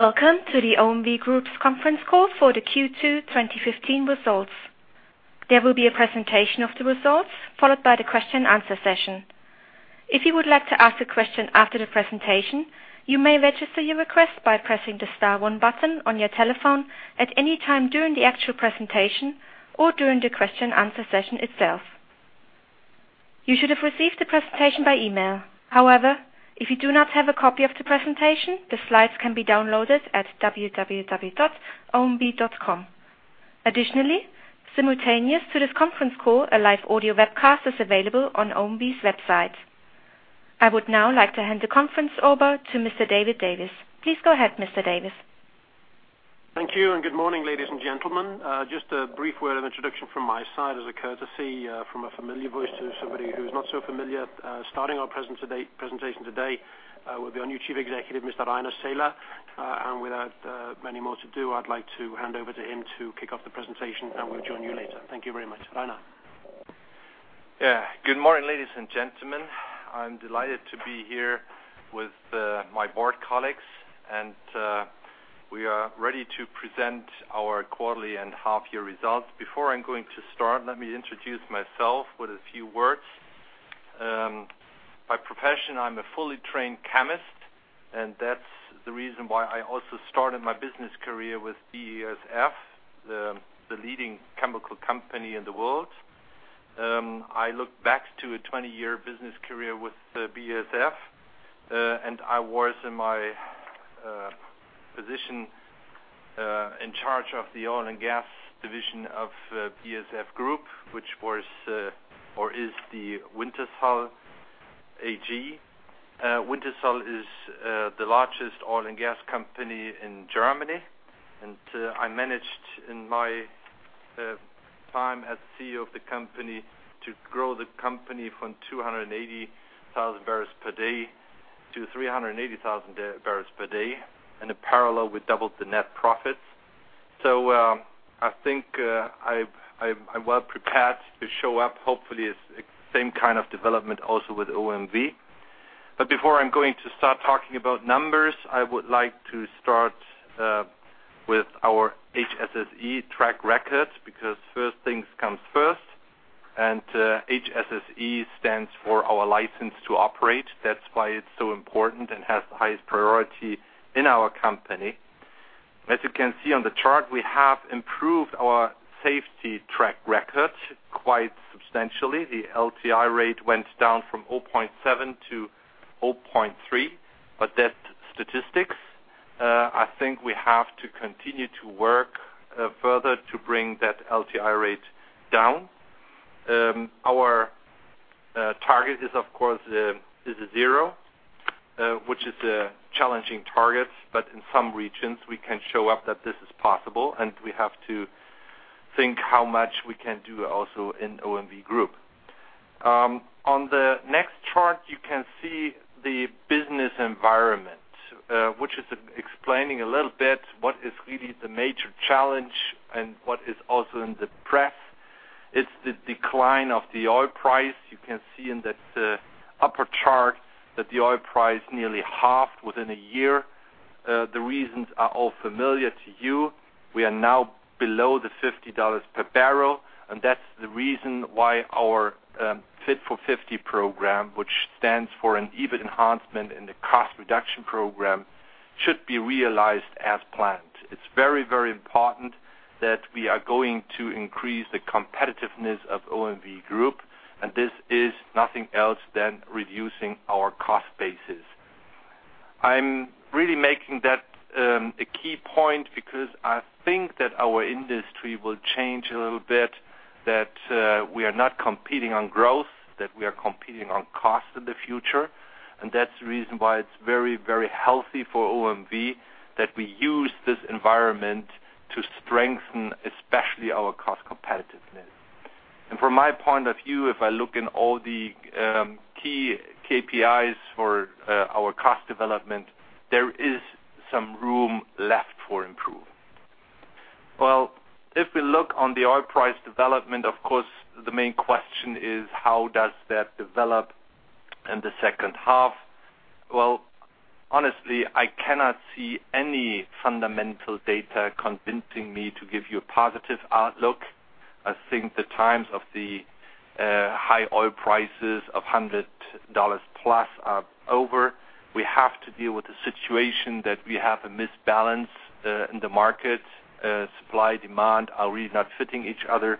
Welcome to the OMV Group conference call for the Q2 2015 results. There will be a presentation of the results followed by the question and answer session. If you would like to ask a question after the presentation, you may register your request by pressing the star one button on your telephone at any time during the actual presentation or during the question and answer session itself. You should have received the presentation by email. However, if you do not have a copy of the presentation, the slides can be downloaded at www.omv.com. Additionally, simultaneous to this conference call, a live audio webcast is available on OMV's website. I would now like to hand the conference over to Mr. David Davies. Please go ahead, Mr. Davies. Thank you, and good morning, ladies and gentlemen. Just a brief word of introduction from my side as a courtesy from a familiar voice to somebody who's not so familiar. Starting our presentation today will be our new Chief Executive, Mr. Rainer Seele. Without many more to do, I'd like to hand over to him to kick off the presentation, and we'll join you later. Thank you very much. Rainer. Good morning, ladies and gentlemen. I'm delighted to be here with my board colleagues, and we are ready to present our quarterly and half-year results. Before I'm going to start, let me introduce myself with a few words. By profession, I'm a fully trained chemist, and that's the reason why I also started my business career with BASF, the leading chemical company in the world. I look back to a 20-year business career with BASF, and I was in my position in charge of the oil and gas division of BASF Group, which is the Wintershall AG. Wintershall is the largest oil and gas company in Germany, and I managed in my time as CEO of the company to grow the company from 280,000 barrels per day to 380,000 barrels per day, and in parallel, we doubled the net profits. I think I'm well prepared to show up hopefully the same kind of development also with OMV. Before I'm going to start talking about numbers, I would like to start with our HSSE track record because first things comes first. HSSE stands for our license to operate. That's why it's so important and has the highest priority in our company. As you can see on the chart, we have improved our safety track record quite substantially. The LTI rate went down from 0.7 to 0.3. That statistic, I think we have to continue to work further to bring that LTI rate down. Our target of course, is zero, which is a challenging target, but in some regions, we can show up that this is possible, and we have to think how much we can do also in OMV Group. On the next chart, you can see the business environment, which is explaining a little bit what is really the major challenge and what is also in the press. It's the decline of the oil price. You can see in that upper chart that the oil price nearly halved within a year. The reasons are all familiar to you. We are now below the $50 per barrel. That's the reason why our Fit for 50 program, which stands for an EBIT enhancement in the cost reduction program, should be realized as planned. It's very, very important that we are going to increase the competitiveness of OMV Group. This is nothing else than reducing our cost basis. I'm really making that a key point because I think that our industry will change a little bit, that we are not competing on growth, that we are competing on cost in the future. That's the reason why it's very, very healthy for OMV that we use this environment to strengthen especially our cost competitiveness. From my point of view, if I look in all the key KPIs for our cost development, there is some room left for improvement. Well, if we look on the oil price development, of course, the main question is how does that develop in the second half? Well, honestly, I cannot see any fundamental data convincing me to give you a positive outlook. I think the times of the high oil prices of $100 plus are over. We have to deal with the situation that we have a misbalance in the market. Supply, demand are really not fitting each other.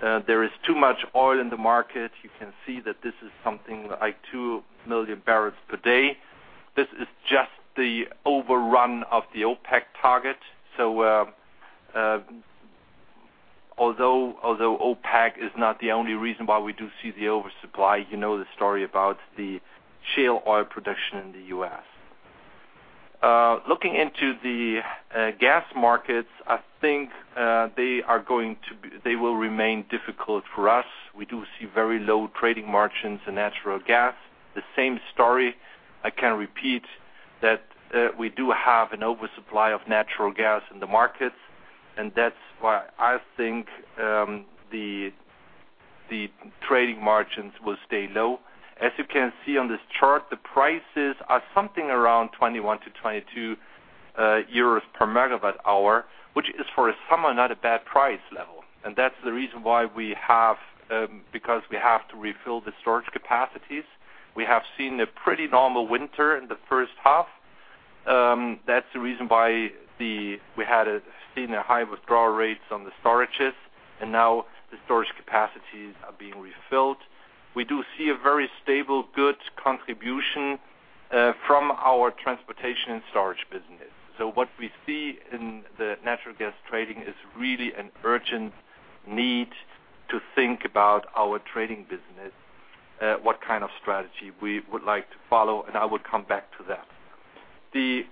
There is too much oil in the market. You can see that this is something like 2 million barrels per day. This is just the overrun of the OPEC target. Although OPEC is not the only reason why we do see the oversupply, you know the story about the shale oil production in the U.S. Looking into the gas markets, I think they will remain difficult for us. We do see very low trading margins in natural gas. The same story I can repeat that we do have an oversupply of natural gas in the markets. That's why I think the trading margins will stay low. As you can see on this chart, the prices are something around 21 to 22 euros per megawatt hour, which is for a summer not a bad price level. That's the reason why because we have to refill the storage capacities. We have seen a pretty normal winter in the first half. That's the reason why we had seen high withdrawal rates on the storages. Now the storage capacities are being refilled. We do see a very stable, good contribution from our transportation and storage business. What we see in the natural gas trading is really an urgent need to think about our trading business, what kind of strategy we would like to follow. I will come back to that. The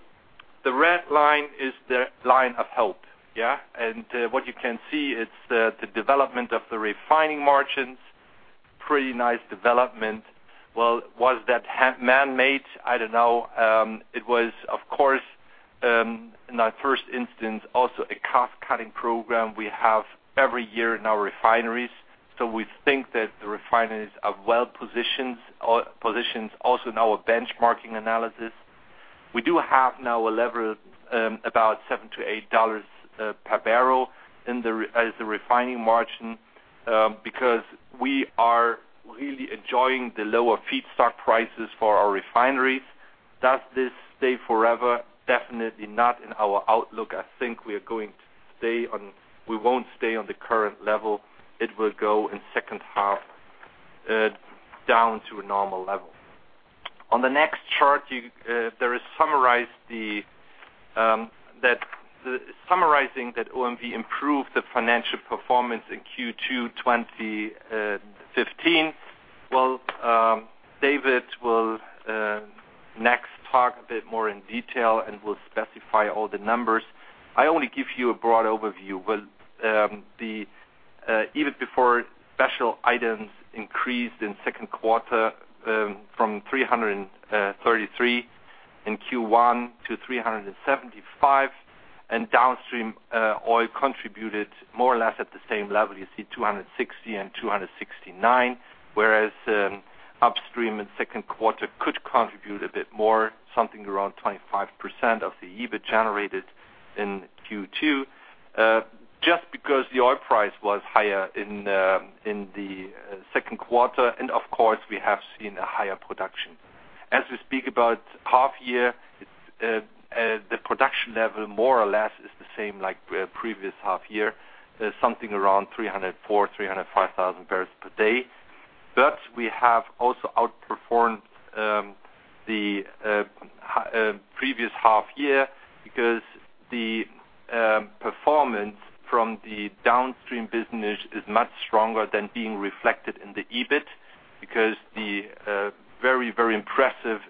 red line is the line of hope. What you can see it's the development of the refining margins. Pretty nice development. Well, was that man-made? I don't know. It was, of course, in our first instance, also a cost-cutting program we have every year in our refineries. We think that the refineries are well-positioned also in our benchmarking analysis. We do have now a level about $7 to $8 per barrel as the refining margin, because we are really enjoying the lower feedstock prices for our refineries. Does this stay forever? Definitely not in our outlook. I think we won't stay on the current level. It will go in second half down to a normal level. On the next chart, there is summarizing that OMV improved the financial performance in Q2 2015. David will next talk a bit more in detail, and will specify all the numbers. I only give you a broad overview. Even before, special items increased in second quarter from 333 in Q1 to 375, and downstream oil contributed more or less at the same level, you see 260 and 269. Upstream in second quarter could contribute a bit more, something around 25% of the EBIT generated in Q2. Just because the oil price was higher in the second quarter, and of course, we have seen a higher production. As we speak about half year, the production level more or less is the same like previous half year, something around 304,000, 305,000 barrels per day. We have also outperformed the previous half year because the performance from the downstream business is much stronger than being reflected in the EBIT. Because the very impressive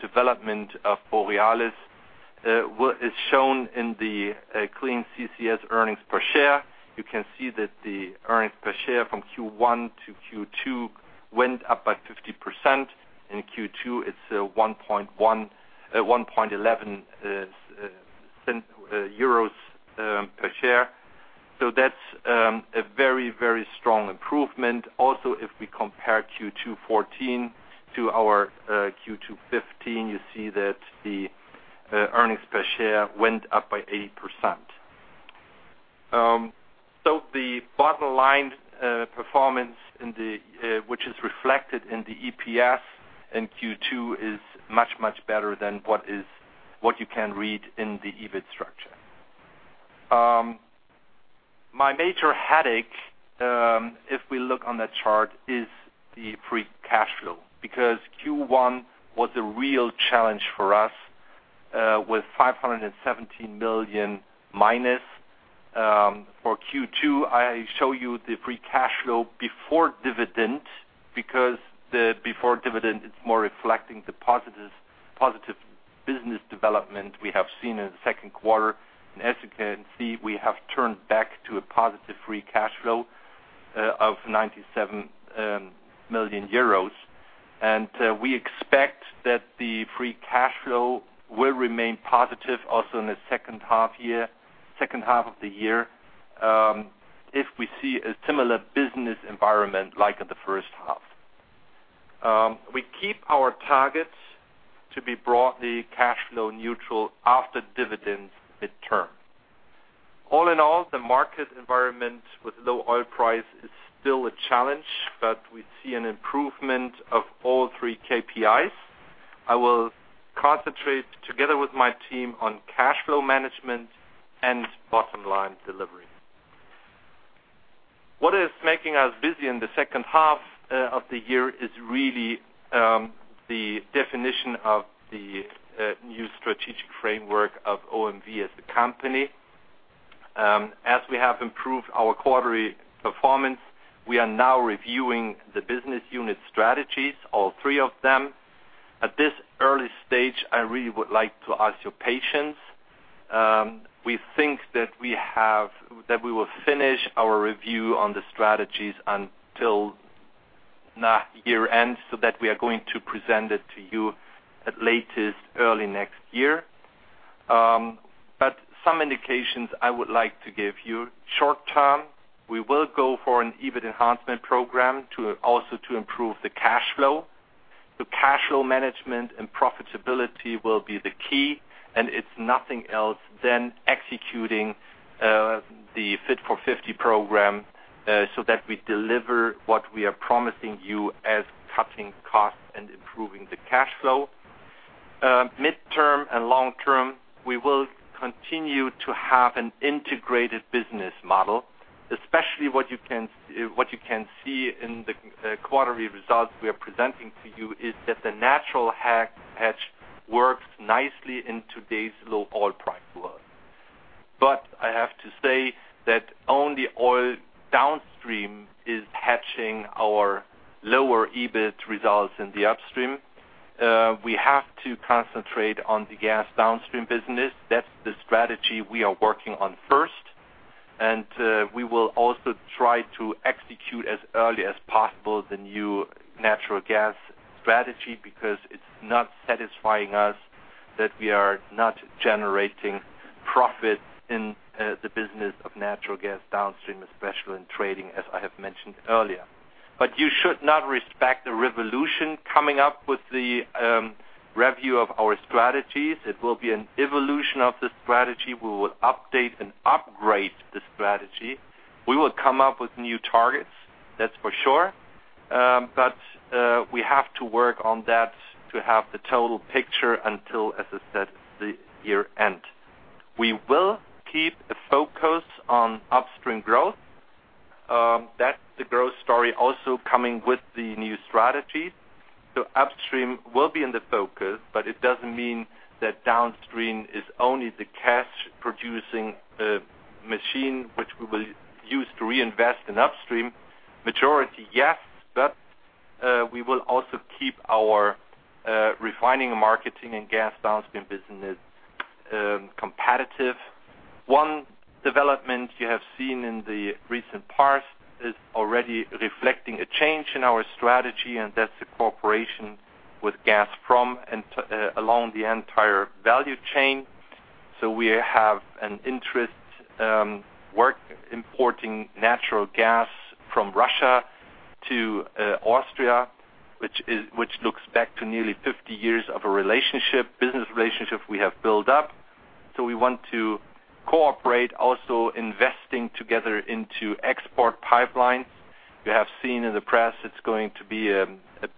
development of Borealis is shown in the clean CCS earnings per share. You can see that the earnings per share from Q1 to Q2 went up by 50%. In Q2, it's €1.11 per share. That's a very strong improvement. If we compare Q2 2014 to our Q2 2015, you see that the earnings per share went up by 80%. The bottom line performance which is reflected in the EPS in Q2 is much better than what you can read in the EBIT structure. My major headache, if we look on that chart, is the free cash flow, because Q1 was a real challenge for us with 517 million minus. For Q2, I show you the free cash flow before dividend, because the before dividend, it's more reflecting the positive business development we have seen in the second quarter. As you can see, we have turned back to a positive free cash flow of €97 million. We expect that the free cash flow will remain positive also in the second half of the year, if we see a similar business environment like in the first half. We keep our targets to be broadly cash flow neutral after dividends midterm. The market environment with low oil price is still a challenge, we see an improvement of all three KPIs. I will concentrate together with my team on cash flow management and bottom line delivery. What is making us busy in the second half of the year is really the definition of the new strategic framework of OMV as a company. As we have improved our quarterly performance, we are now reviewing the business unit strategies, all three of them. At this early stage, I really would like to ask your patience. We think that we will finish our review on the strategies until not year-end, we are going to present it to you at latest early next year. Some indications I would like to give you. Short term, we will go for an EBIT enhancement program, also to improve the cash flow. The cash flow management and profitability will be the key. It is nothing else than executing the Fit for 50 program so that we deliver what we are promising you as cutting costs and improving the cash flow. Midterm and long term, we will continue to have an integrated business model, especially what you can see in the quarterly results we are presenting to you is that the natural hedge works nicely in today's low oil price world. I have to say that only oil downstream is hedging our lower EBIT results in the upstream. We have to concentrate on the gas downstream business. That is the strategy we are working on first. We will also try to execute as early as possible the new natural gas strategy because it is not satisfying us that we are not generating profit in the business of natural gas downstream, especially in trading, as I have mentioned earlier. You should not expect a revolution coming up with the review of our strategies. It will be an evolution of the strategy. We will update and upgrade the strategy. We will come up with new targets, that is for sure. We have to work on that to have the total picture until, as I said, the year-end. We will keep a focus on upstream growth. That is the growth story also coming with the new strategy. Upstream will be in the focus, but it does not mean that downstream is only the cash-producing machine which we will use to reinvest in upstream. Majority, yes, we will also keep our refining, marketing, and gas downstream business competitive. One development you have seen in the recent past is already reflecting a change in our strategy, that is the cooperation with Gazprom along the entire value chain. We have an interest in importing natural gas from Russia to Austria, which looks back to nearly 50 years of a business relationship we have built up. We want to cooperate also investing together into export pipelines. You have seen in the press it is going to be a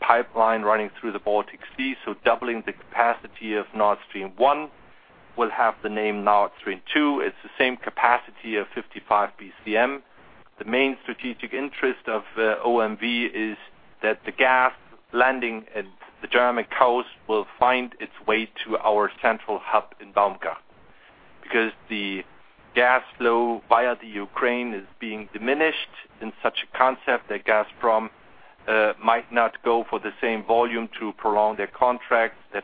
pipeline running through the Baltic Sea, so doubling the capacity of Nord Stream 1 will have the name Nord Stream 2. It is the same capacity of 55 BCM. The main strategic interest of OMV is that the gas landing at the German coast will find its way to our central hub in Baumgarten. The gas flow via the Ukraine is being diminished in such a concept that Gazprom might not go for the same volume to prolong their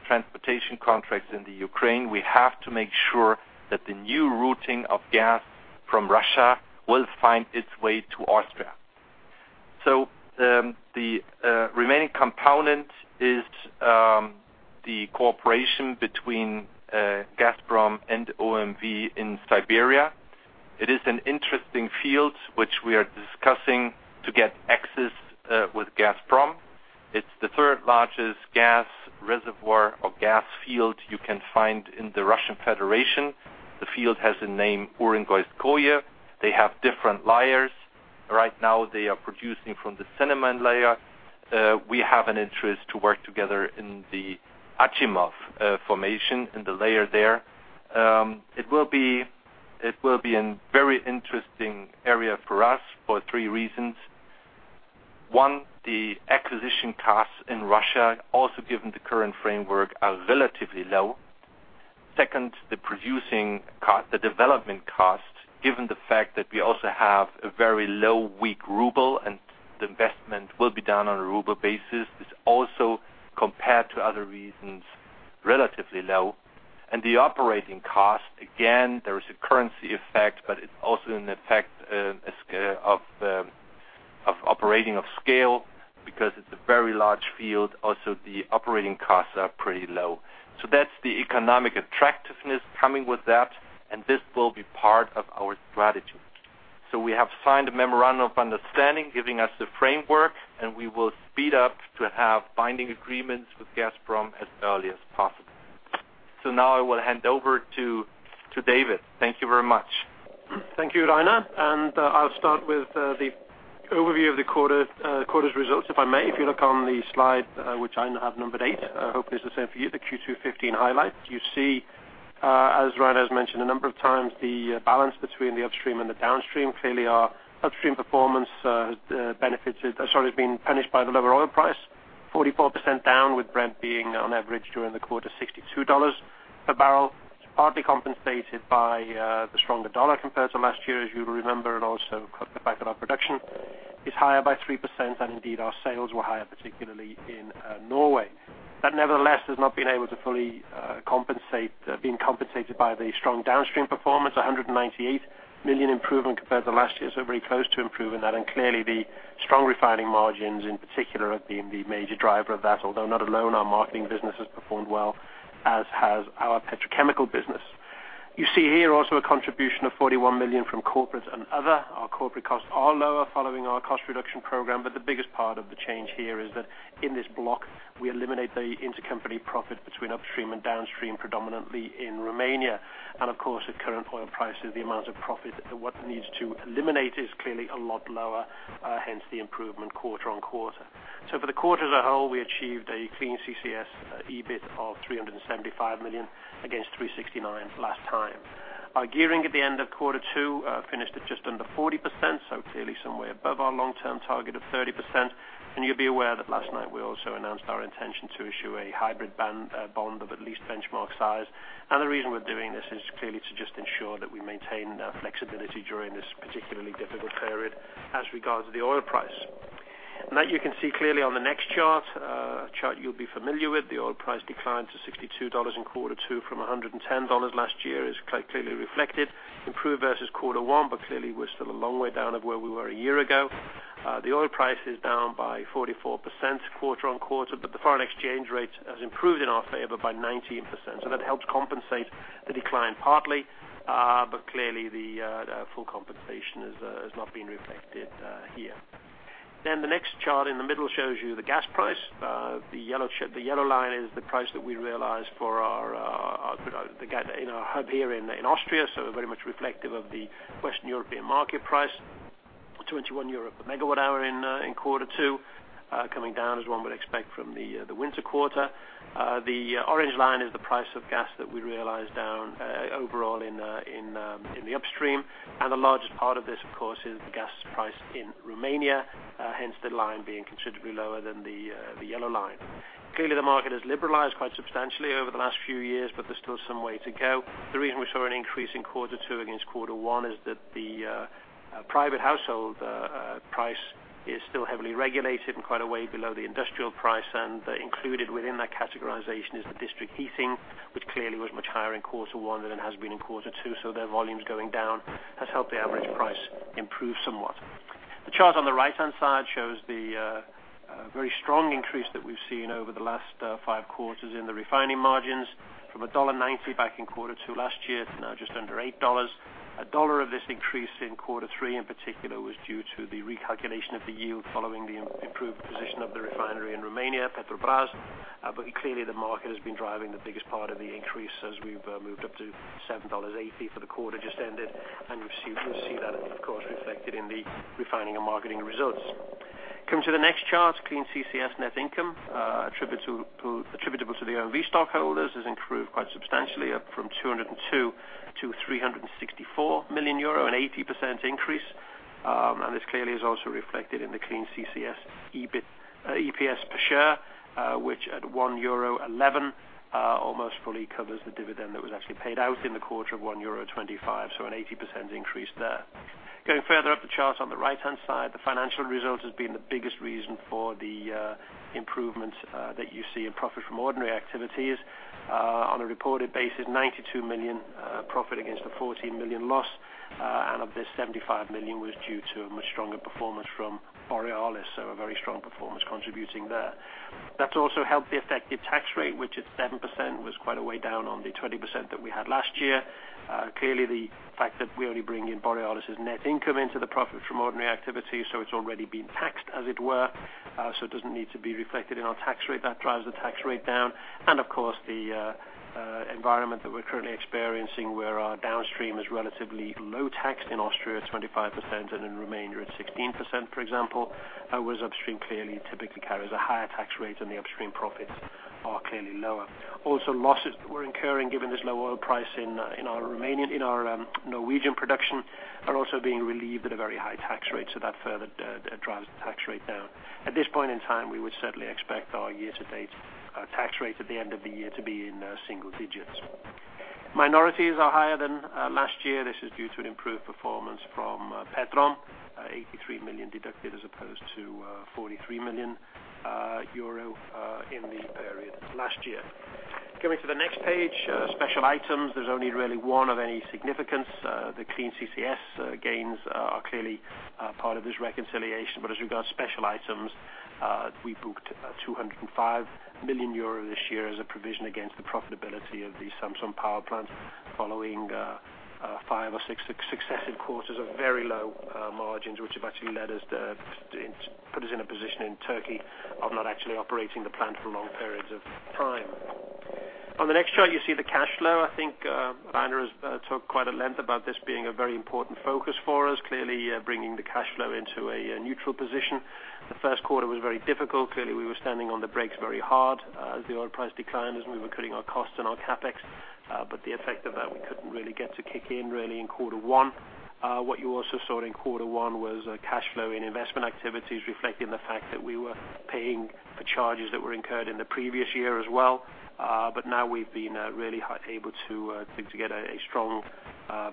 transportation contracts in the Ukraine. We have to make sure that the new routing of gas from Russia will find its way to Austria. The remaining component is the cooperation between Gazprom and OMV in Siberia. It is an interesting field which we are discussing to get access with Gazprom. It is the third largest gas reservoir or gas field you can find in the Russian Federation. The field has a name, Urengoyskoye. They have different layers. Right now, they are producing from the Cenomanian layer. We have an interest to work together in the Achimov formation, in the layer there. It will be a very interesting area for us for three reasons. One, the acquisition costs in Russia, also given the current framework, are relatively low. Second, the development cost, given the fact that we also have a very low, weak ruble and the investment will be done on a ruble basis, is also, compared to other reasons, relatively low. The operating cost, again, there is a currency effect, but it is also an effect of operating of scale because it is a very large field. Also, the operating costs are pretty low. That is the economic attractiveness coming with that, and this will be part of our strategy. We have signed a memorandum of understanding, giving us the framework, and we will speed up to have binding agreements with Gazprom as early as possible. Now I will hand over to David. Thank you very much. Thank you, Rainer. I will start with the overview of the quarter's results, if I may. If you look on the slide, which I now have numbered 8, I hope this is the same for you, the Q2 2015 highlights. You see, as Rainer has mentioned a number of times, the balance between the Upstream and the Downstream. Clearly, our Upstream performance has been punished by the lower oil price, 44% down with Brent being on average during the quarter $62 a barrel. It is partly compensated by the stronger dollar compared to last year, as you will remember, and also the fact that our production is higher by 3%, and indeed our sales were higher, particularly in Norway. That, nevertheless, has not been able to fully been compensated by the strong Downstream performance, 198 million improvement compared to last year. Very close to improving that, and clearly the strong refining margins, in particular, have been the major driver of that. Although not alone, our marketing business has performed well, as has our petrochemical business. You see here also a contribution of 41 million from corporate and other. Our corporate costs are lower following our cost reduction program, but the biggest part of the change here is that in this block, we eliminate the intercompany profit between Upstream and Downstream, predominantly in Romania. And of course, at current oil prices, the amount of profit that one needs to eliminate is clearly a lot lower, hence the improvement quarter-on-quarter. For the quarter as a whole, we achieved a Clean CCS EBIT of 375 million against 369 last time. Our gearing at the end of quarter 2 finished at just under 40%, clearly somewhere above our long-term target of 30%. And you will be aware that last night we also announced our intention to issue a hybrid bond of at least benchmark size. And the reason we are doing this is clearly to just ensure that we maintain flexibility during this particularly difficult period as regards to the oil price. And that you can see clearly on the next chart. A chart you will be familiar with. The oil price decline to $62 in quarter 2 from $110 last year is clearly reflected. Improved versus quarter 1, but clearly we are still a long way down of where we were a year ago. The oil price is down by 44% quarter-on-quarter, but the foreign exchange rate has improved in our favor by 19%. That helps compensate the decline partly. Clearly the full compensation has not been reflected here. The next chart in the middle shows you the gas price. The yellow line is the price that we realized in our hub here in Austria, so very much reflective of the Western European market price. 21 euro per megawatt hour in quarter two, coming down as one would expect from the winter quarter. The orange line is the price of gas that we realized down overall in the Upstream. The largest part of this, of course, is the gas price in Romania. Hence the line being considerably lower than the yellow line. Clearly, the market has liberalized quite substantially over the last few years, but there is still some way to go. The reason we saw an increase in quarter two against quarter one is that the private household price is still heavily regulated and quite a way below the industrial price. Included within that categorization is the district heating, which clearly was much higher in quarter one than it has been in quarter two. So their volumes going down has helped the average price improve somewhat. The chart on the right-hand side shows the very strong increase that we have seen over the last five quarters in the refining margins from $1.90 back in quarter two last year to now just under $8. $1 of this increase in quarter three in particular was due to the recalculation of the yield following the improved position of the refinery in Romania, Petrobrazi. Clearly the market has been driving the biggest part of the increase as we have moved up to $7.80 for the quarter just ended. You will see that, of course, reflected in the refining and marketing results. Coming to the next chart, Clean CCS net income attributable to the OMV stockholders has improved quite substantially, up from 202 million to 364 million euro, an 80% increase. This clearly is also reflected in the Clean CCS EPS per share, which at 1.11 euro almost fully covers the dividend that was actually paid out in the quarter of 1.25 euro. So an 80% increase there. Going further up the chart on the right-hand side, the financial result has been the biggest reason for the improvements that you see in profit from ordinary activities. On a reported basis, 92 million profit against a 14 million loss. Of this, 75 million was due to a much stronger performance from Borealis. So a very strong performance contributing there. That has also helped the effective tax rate, which at 7% was quite a way down on the 20% that we had last year. Clearly, the fact that we only bring in Borealis' net income into the profit from ordinary activity, so it is already been taxed as it were. So it does not need to be reflected in our tax rate. That drives the tax rate down. Of course, the environment that we are currently experiencing where our Downstream is relatively low taxed in Austria at 25% and in Romania at 16%, for example. Whereas Upstream, clearly typically carries a higher tax rate and the Upstream profits are clearly lower. Losses that we're incurring given this low oil price in our Norwegian production are also being relieved at a very high tax rate. That further drives the tax rate down. At this point in time, we would certainly expect our year-to-date tax rate at the end of the year to be in single digits. Minorities are higher than last year. This is due to an improved performance from Petrom, 83 million deducted as opposed to 43 million euro in the period last year. Going to the next page, special items. There's only really one of any significance. The Clean CCS gains are clearly part of this reconciliation. As regards special items, we booked 205 million euro this year as a provision against the profitability of the Samsun power plant following five or six successive quarters of very low margins, which have actually put us in a position in Turkey of not actually operating the plant for long periods of time. On the next chart, you see the cash flow. I think Rainer has talked quite at length about this being a very important focus for us. Clearly, bringing the cash flow into a neutral position. The first quarter was very difficult. Clearly, we were standing on the brakes very hard as the oil price declined, as we were cutting our costs and our CapEx. The effect of that, we couldn't really get to kick in, really, in quarter one. What you also saw in quarter one was cash flow in investment activities reflecting the fact that we were paying for charges that were incurred in the previous year as well. Now we've been really able to get a strong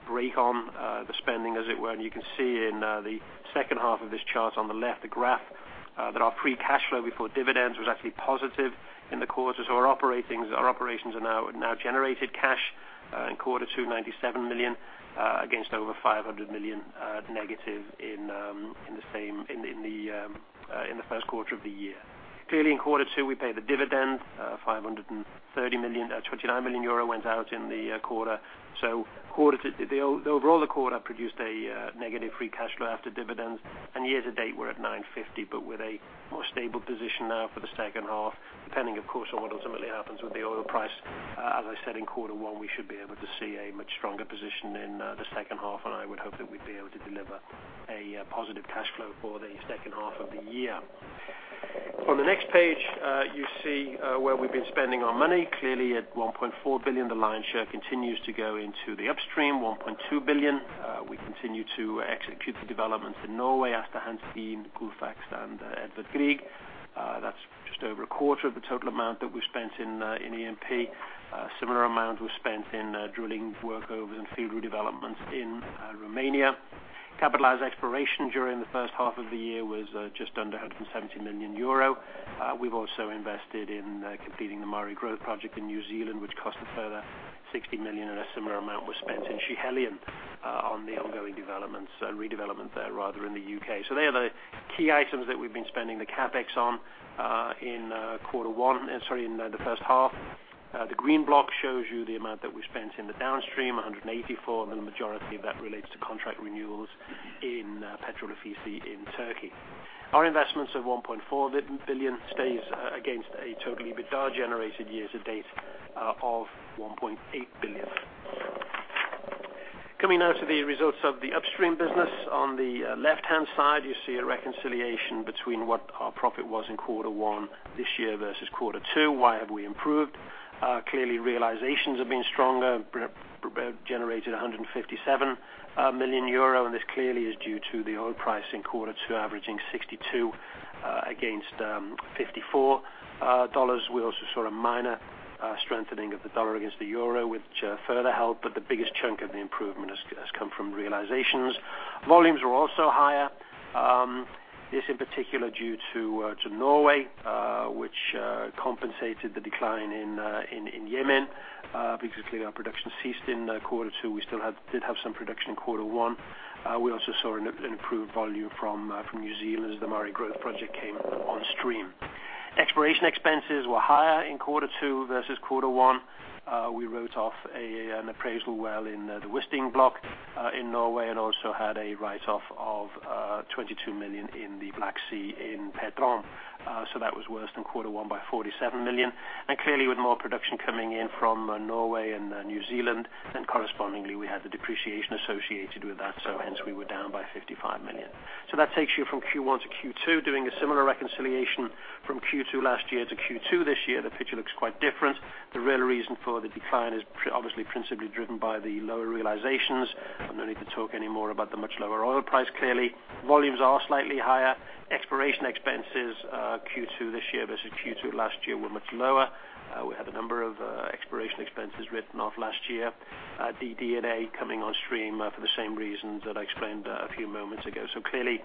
break on the spending, as it were. You can see in the second half of this chart on the left, the graph, that our free cash flow before dividends was actually positive in the quarter. Our operations are now generated cash in 297 million, against over 500 million negative in the first quarter of the year. In quarter two, we paid a dividend. 530 million, 29 million euro went out in the quarter. Overall, the quarter produced a negative free cash flow after dividends, and year to date, we're at 950 million, but with a more stable position now for the second half, depending, of course, on what ultimately happens with the oil price. As I said, in quarter one, we should be able to see a much stronger position in the second half, and I would hope that we'd be able to deliver a positive cash flow for the second half of the year. On the next page, you see where we've been spending our money. Clearly, at 1.4 billion, the lion's share continues to go into the upstream, 1.2 billion. We continue to execute the developments in Norway, Aasta Hansteen, Gullfaks, and Edvard Grieg. That's just over a quarter of the total amount that we spent in E&P. A similar amount was spent in drilling workovers and field redevelopment in Romania. Capitalized exploration during the first half of the year was just under 170 million euro. We've also invested in completing the Maari growth project in New Zealand, which cost a further 60 million, and a similar amount was spent in Schiehallion on the ongoing developments, redevelopment there, rather, in the U.K. They are the key items that we've been spending the CapEx on in the first half. The green block shows you the amount that we spent in the downstream, 184 million, and the majority of that relates to contract renewals in Petrol Ofisi in Turkey. Our investments of 1.4 billion stays against a total EBITDA generated year to date of 1.8 billion. Coming now to the results of the upstream business. On the left-hand side, you see a reconciliation between what our profit was in quarter one this year versus quarter two. Why have we improved? Clearly, realizations have been stronger. Generated 157 million euro, and this clearly is due to the oil price in quarter two averaging $62 against $54. We also saw a minor strengthening of the dollar against the euro, which further helped, but the biggest chunk of the improvement has come from realizations. Volumes were also higher. This, in particular, due to Norway, which compensated the decline in Yemen because clearly our production ceased in quarter two. We still did have some production in quarter one. We also saw an improved volume from New Zealand as the Maari growth project came on stream. Exploration expenses were higher in quarter two versus quarter one. We wrote off an appraisal well in the Wisting block in Norway and also had a write-off of 22 million in the Black Sea in Petrom. That was worse than quarter one by 47 million. Clearly, with more production coming in from Norway and New Zealand, then correspondingly, we had the depreciation associated with that, hence we were down by 55 million. That takes you from Q1 to Q2. Doing a similar reconciliation from Q2 last year to Q2 this year, the picture looks quite different. The real reason for the decline is obviously principally driven by the lower realizations. No need to talk anymore about the much lower oil price, clearly. Volumes are slightly higher. Exploration expenses, Q2 this year versus Q2 last year were much lower. We had a number of exploration expenses written off last year. The DD&A coming on stream for the same reasons that I explained a few moments ago. Clearly,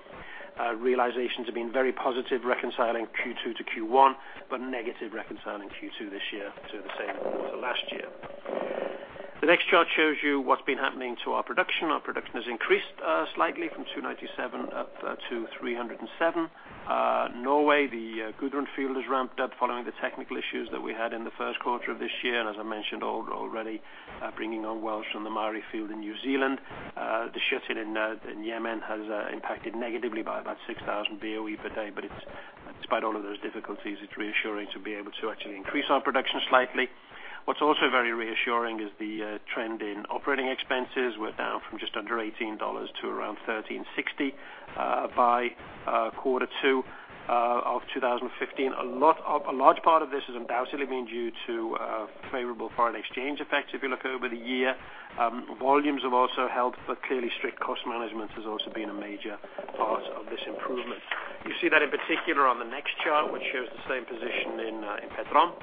realizations have been very positive, reconciling Q2 to Q1, but negative reconciling Q2 this year to the same quarter last year. The next chart shows you what's been happening to our production. Our production has increased slightly from 297 up to 307. Norway, the Gullfaks field has ramped up following the technical issues that we had in the first quarter of this year, and as I mentioned already, bringing on wells from the Maari field in New Zealand. The shutdown in Yemen has impacted negatively by about 6,000 BOE per day, but despite all of those difficulties, it's reassuring to be able to actually increase our production slightly. What's also very reassuring is the trend in operating expenses. We're down from just under $18 to around $13.60 by quarter two of 2015. A large part of this has undoubtedly been due to favorable foreign exchange effects if you look over the year. Volumes have also helped. Clearly strict cost management has also been a major part of this improvement. You see that in particular on the next chart, which shows the same position in Petrom,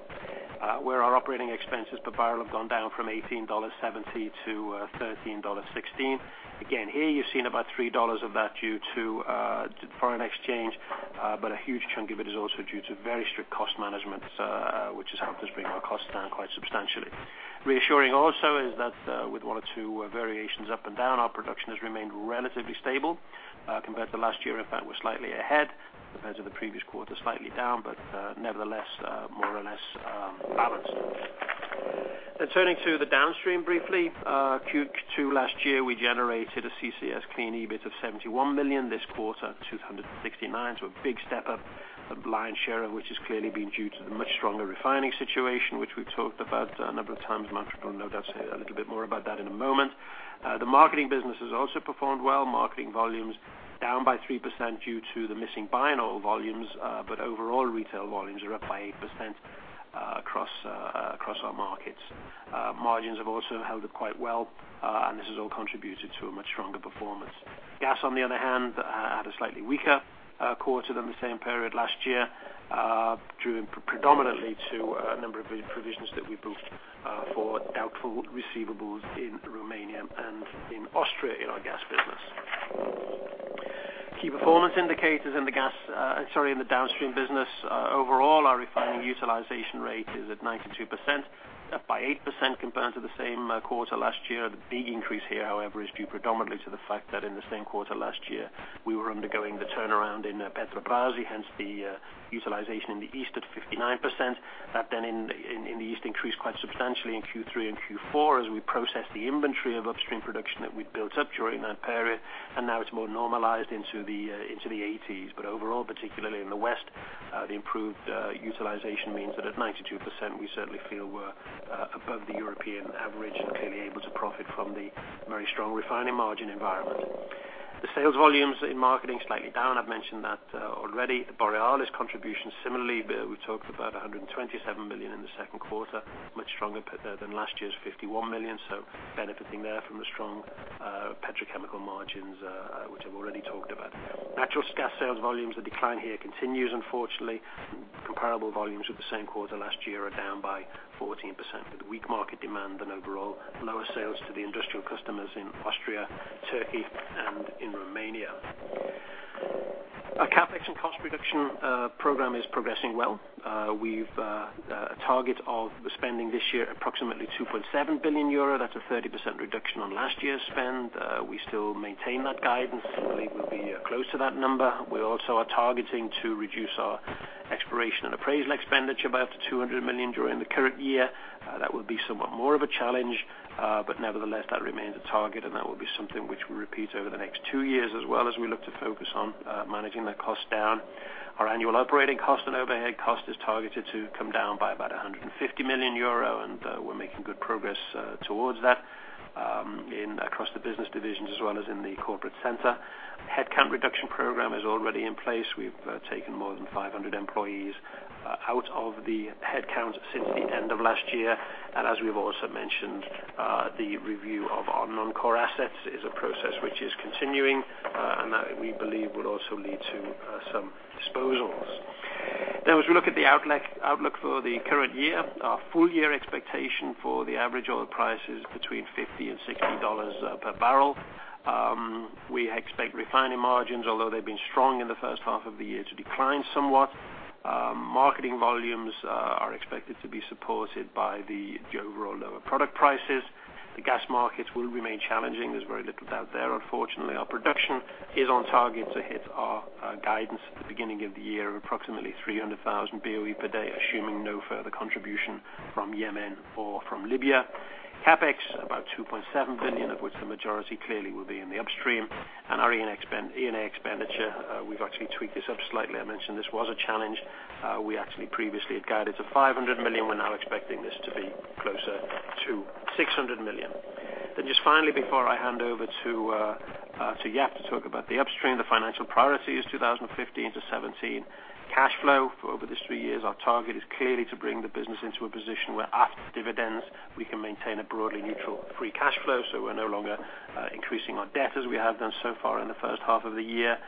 where our operating expenses per barrel have gone down from EUR 18.70 to EUR 13.16. Again, here you're seeing about EUR 3 of that due to foreign exchange. A huge chunk of it is also due to very strict cost management, which has helped us bring our costs down quite substantially. Reassuring also is that with one or two variations up and down, our production has remained relatively stable compared to last year. In fact, we're slightly ahead compared to the previous quarter, slightly down, but nevertheless, more or less balanced. Turning to the Downstream briefly. Q2 last year, we generated a CCS clean EBIT of 71 million. This quarter, 269 million. A big step up. A lion's share of which has clearly been due to the much stronger refining situation, which we've talked about a number of times. Manfred will no doubt say a little bit more about that in a moment. The marketing business has also performed well. Marketing volumes down by 3% due to the missing bio-oil volumes, but overall, retail volumes are up by 8% across our markets. Margins have also held up quite well, and this has all contributed to a much stronger performance. Gas, on the other hand, had a slightly weaker quarter than the same period last year, due predominantly to a number of provisions that we booked for doubtful receivables in Romania and in Austria in our gas business. Key performance indicators in the Downstream business. Overall, our refining utilization rate is at 92%, up by 8% compared to the same quarter last year. The big increase here, however, is due predominantly to the fact that in the same quarter last year, we were undergoing the turnaround in Petrobrazi. Hence, the utilization in the East at 59%. That in the East increased quite substantially in Q3 and Q4 as we processed the inventory of Upstream production that we'd built up during that period, and now it's more normalized into the 80s. Overall, particularly in the West, the improved utilization means that at 92%, we certainly feel we're above the European average and clearly able to profit from the very strong refining margin environment. The sales volumes in marketing slightly down. I've mentioned that already. Borealis contribution similarly, we talked about 127 million in the second quarter, much stronger than last year's 51 million. Benefiting there from the strong petrochemical margins, which I've already talked about. Natural gas sales volumes, the decline here continues unfortunately. Comparable volumes with the same quarter last year are down by 14% with weak market demand and overall lower sales to the industrial customers in Austria, Turkey, and in Romania. Our CapEx and cost reduction program is progressing well. We've a target of spending this year approximately 2.7 billion euro. That's a 30% reduction on last year's spend. We still maintain that guidance, and I believe we'll be close to that number. We also are targeting to reduce our exploration and appraisal expenditure by up to 200 million during the current year. That will be somewhat more of a challenge, but nevertheless, that remains a target, and that will be something which we repeat over the next two years as well as we look to focus on managing that cost down. Our annual operating cost and overhead cost is targeted to come down by about 150 million euro, and we're making good progress towards that, across the business divisions as well as in the corporate center. Headcount reduction program is already in place. We've taken more than 500 employees out of the headcount since the end of last year. As we've also mentioned, the review of our non-core assets is a process which is continuing, and that we believe will also lead to some disposals. As we look at the outlook for the current year, our full year expectation for the average oil price is between $50 and $60 per barrel. We expect refining margins, although they've been strong in the first half of the year, to decline somewhat. Marketing volumes are expected to be supported by the overall lower product prices. The gas markets will remain challenging. There's very little doubt there, unfortunately. Our production is on target to hit our guidance at the beginning of the year, approximately 300,000 BOE per day, assuming no further contribution from Yemen or from Libya. CapEx, about 2.7 billion, of which the majority clearly will be in the Upstream. Our E&A expenditure, we've actually tweaked this up slightly. I mentioned this was a challenge. We actually previously had guided to 500 million. We're now expecting this to be closer to 600 million. Just finally, before I hand over to Jaap to talk about the Upstream, the financial priorities 2015 to 2017. Cash flow for over these three years, our target is clearly to bring the business into a position where, after dividends, we can maintain a broadly neutral free cash flow. We're no longer increasing our debt as we have done so far in the first half of the year.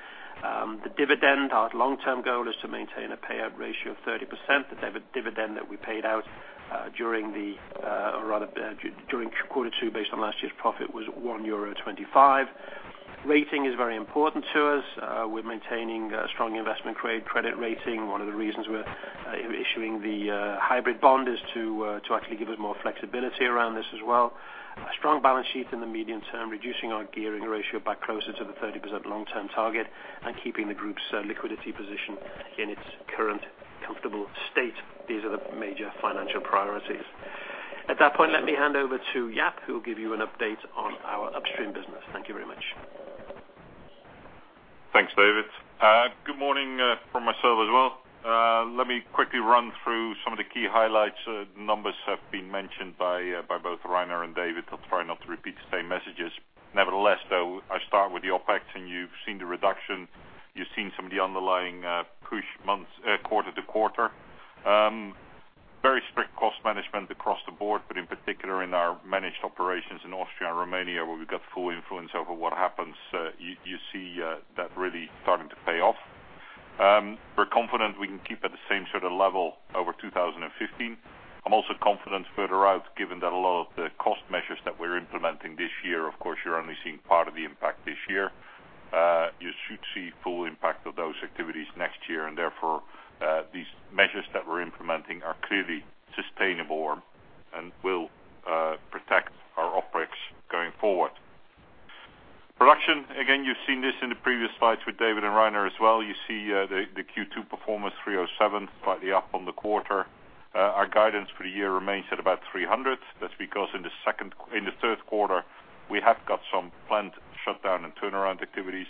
The dividend, our long-term goal is to maintain a payout ratio of 30%. The dividend that we paid out during quarter two based on last year's profit was 1.25 euro. Rating is very important to us. We're maintaining a strong investment credit rating. One of the reasons we're issuing the hybrid bond is to actually give us more flexibility around this as well. A strong balance sheet in the medium term, reducing our gearing ratio back closer to the 30% long-term target and keeping the group's liquidity position in its current comfortable state. These are the major financial priorities. At that point, let me hand over to Jaap, who will give you an update on our Upstream business. Thank you very much. Thanks, David. Good morning from myself as well. Let me quickly run through some of the key highlights. The numbers have been mentioned by both Rainer and David. I'll try not to repeat the same messages. Nevertheless, though, I start with the OpEx. You've seen the reduction. You've seen some of the underlying push quarter to quarter. Very strict cost management across the board, but in particular in our managed operations in Austria and Romania, where we've got full influence over what happens. You see that really starting to pay off. We're confident we can keep at the same sort of level over 2015. I'm also confident further out, given that a lot of the cost measures that we're implementing this year, of course, you're only seeing part of the impact this year. You should see full impact of those activities next year. Therefore, these measures that we're implementing are clearly sustainable and will protect our OpEx going forward. Production, again, you've seen this in the previous slides with David and Rainer as well. You see the Q2 performance, 307, slightly up on the quarter. Our guidance for the year remains at about 300. That's because in the third quarter, we have got some planned shutdown and turnaround activities.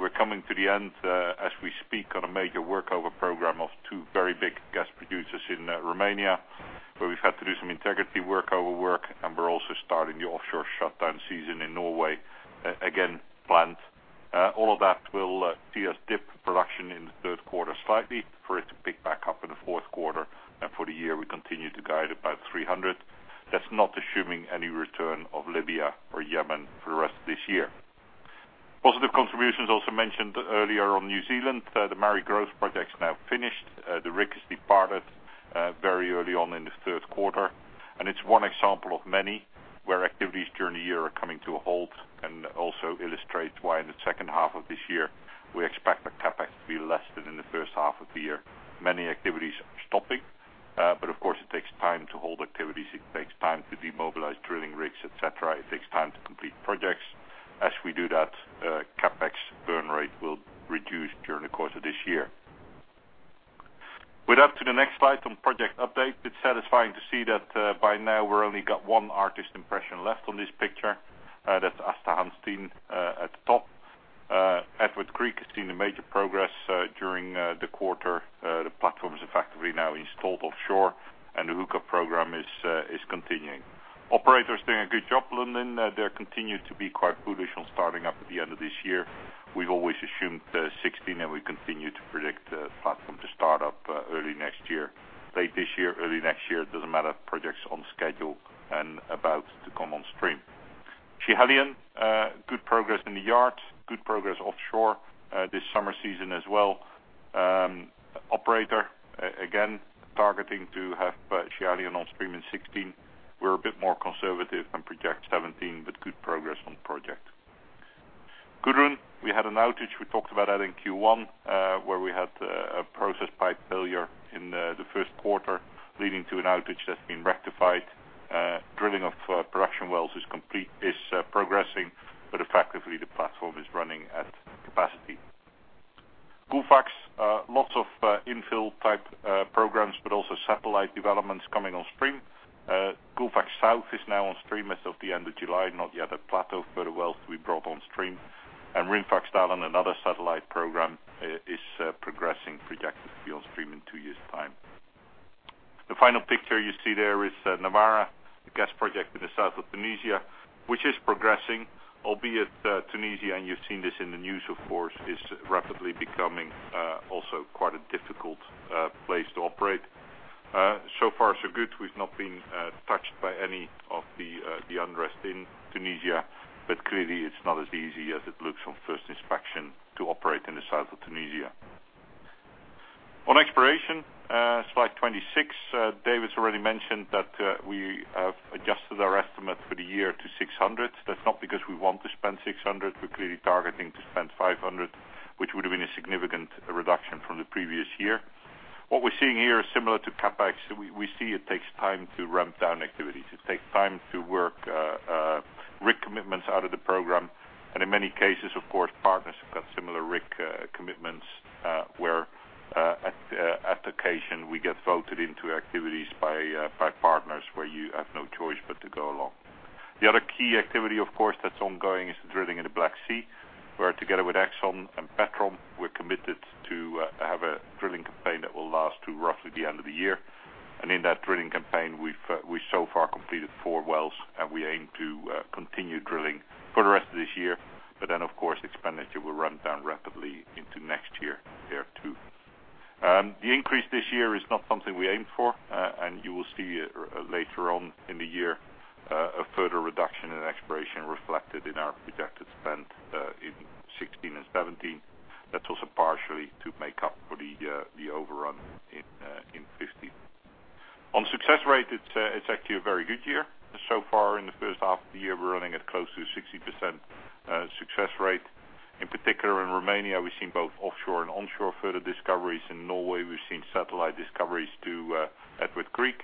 We're coming to the end, as we speak, on a major workover program of 2 very big gas producers in Romania, where we've had to do some integrity workover work. We're also starting the offshore shutdown season in Norway, again, planned. All of that will see us dip production in the third quarter slightly for it to pick back up in the fourth quarter. For the year, we continue to guide about 300. That's not assuming any return of Libya or Yemen for the rest of this year. Positive contributions also mentioned earlier on New Zealand, the Maari growth project's now finished. The rig has departed very early on in the third quarter. It's one example of many, where activities during the year are coming to a halt and also illustrates why in the second half of this year, we expect the CapEx to be less than in the first half of the year. Many activities are stopping. Of course, it takes time to hold activities. It takes time to demobilize drilling rigs, et cetera. It takes time to complete projects. As we do that, CapEx burn rate will reduce during the course of this year. With that to the next slide on project update. It's satisfying to see that by now we're only got one artist impression left on this picture. That's Aasta Hansteen at the top. Edvard Grieg has seen a major progress during the quarter. The platform is effectively now installed offshore. The hookup program is continuing. Operators doing a good job, Lundin, they continue to be quite bullish on starting up at the end of this year. We've always assumed 2016. We continue to predict the platform to start up early next year. Late this year, early next year, it doesn't matter, project's on schedule and about to come on stream. Schiehallion, good progress in the yard, good progress offshore, this summer season as well. Operator, again, targeting to have Schiehallion on stream in 2016. We are a bit more conservative and project 2017, but good progress on project Gudrun. We had an outage, we talked about that in Q1, where we had a process pipe failure in the first quarter, leading to an outage that has been rectified. Drilling of production wells is progressing, but effectively, the platform is running at capacity. Gullfaks, lots of infill type programs, but also satellite developments coming on stream. Gullfaks South is now on stream as of the end of July, not yet at plateau. Further wells to be brought on stream. Rimfaksdalen and another satellite program is progressing, projected to be on stream in two years' time. The final picture you see there is Nawara, the gas project in the south of Tunisia, which is progressing, albeit Tunisia, and you have seen this in the news, of course, is rapidly becoming also quite a difficult place to operate. So far so good. We have not been touched by any of the unrest in Tunisia, but clearly, it is not as easy as it looks on first inspection to operate in the south of Tunisia. On exploration, slide 26, David has already mentioned that we have adjusted our estimate for the year to 600 million. That is not because we want to spend 600 million. We are clearly targeting to spend 500 million, which would have been a significant reduction from the previous year. What we are seeing here is similar to CapEx. We see it takes time to ramp down activities. It takes time to work rig commitments out of the program, and in many cases, of course, partners have got similar rig commitments, where at occasion, we get voted into activities by partners where you have no choice but to go along. The other key activity, of course, that is ongoing is the drilling in the Black Sea, where together with Exxon and Petrom, we are committed to have a drilling campaign that will last to roughly the end of the year. In that drilling campaign, we have so far completed four wells, and we aim to continue drilling for the rest of this year. Of course, expenditure will ramp down rapidly into next year two. The increase this year is not something we aim for. You will see later on in the year, a further reduction in exploration reflected in our projected spend, in 2016 and 2017. That is also partially to make up for the overrun in 2015. On success rate, it is actually a very good year. So far in the first half of the year, we are running at close to 60% success rate. In particular, in Romania, we have seen both offshore and onshore further discoveries. In Norway, we have seen satellite discoveries to Edvard Grieg.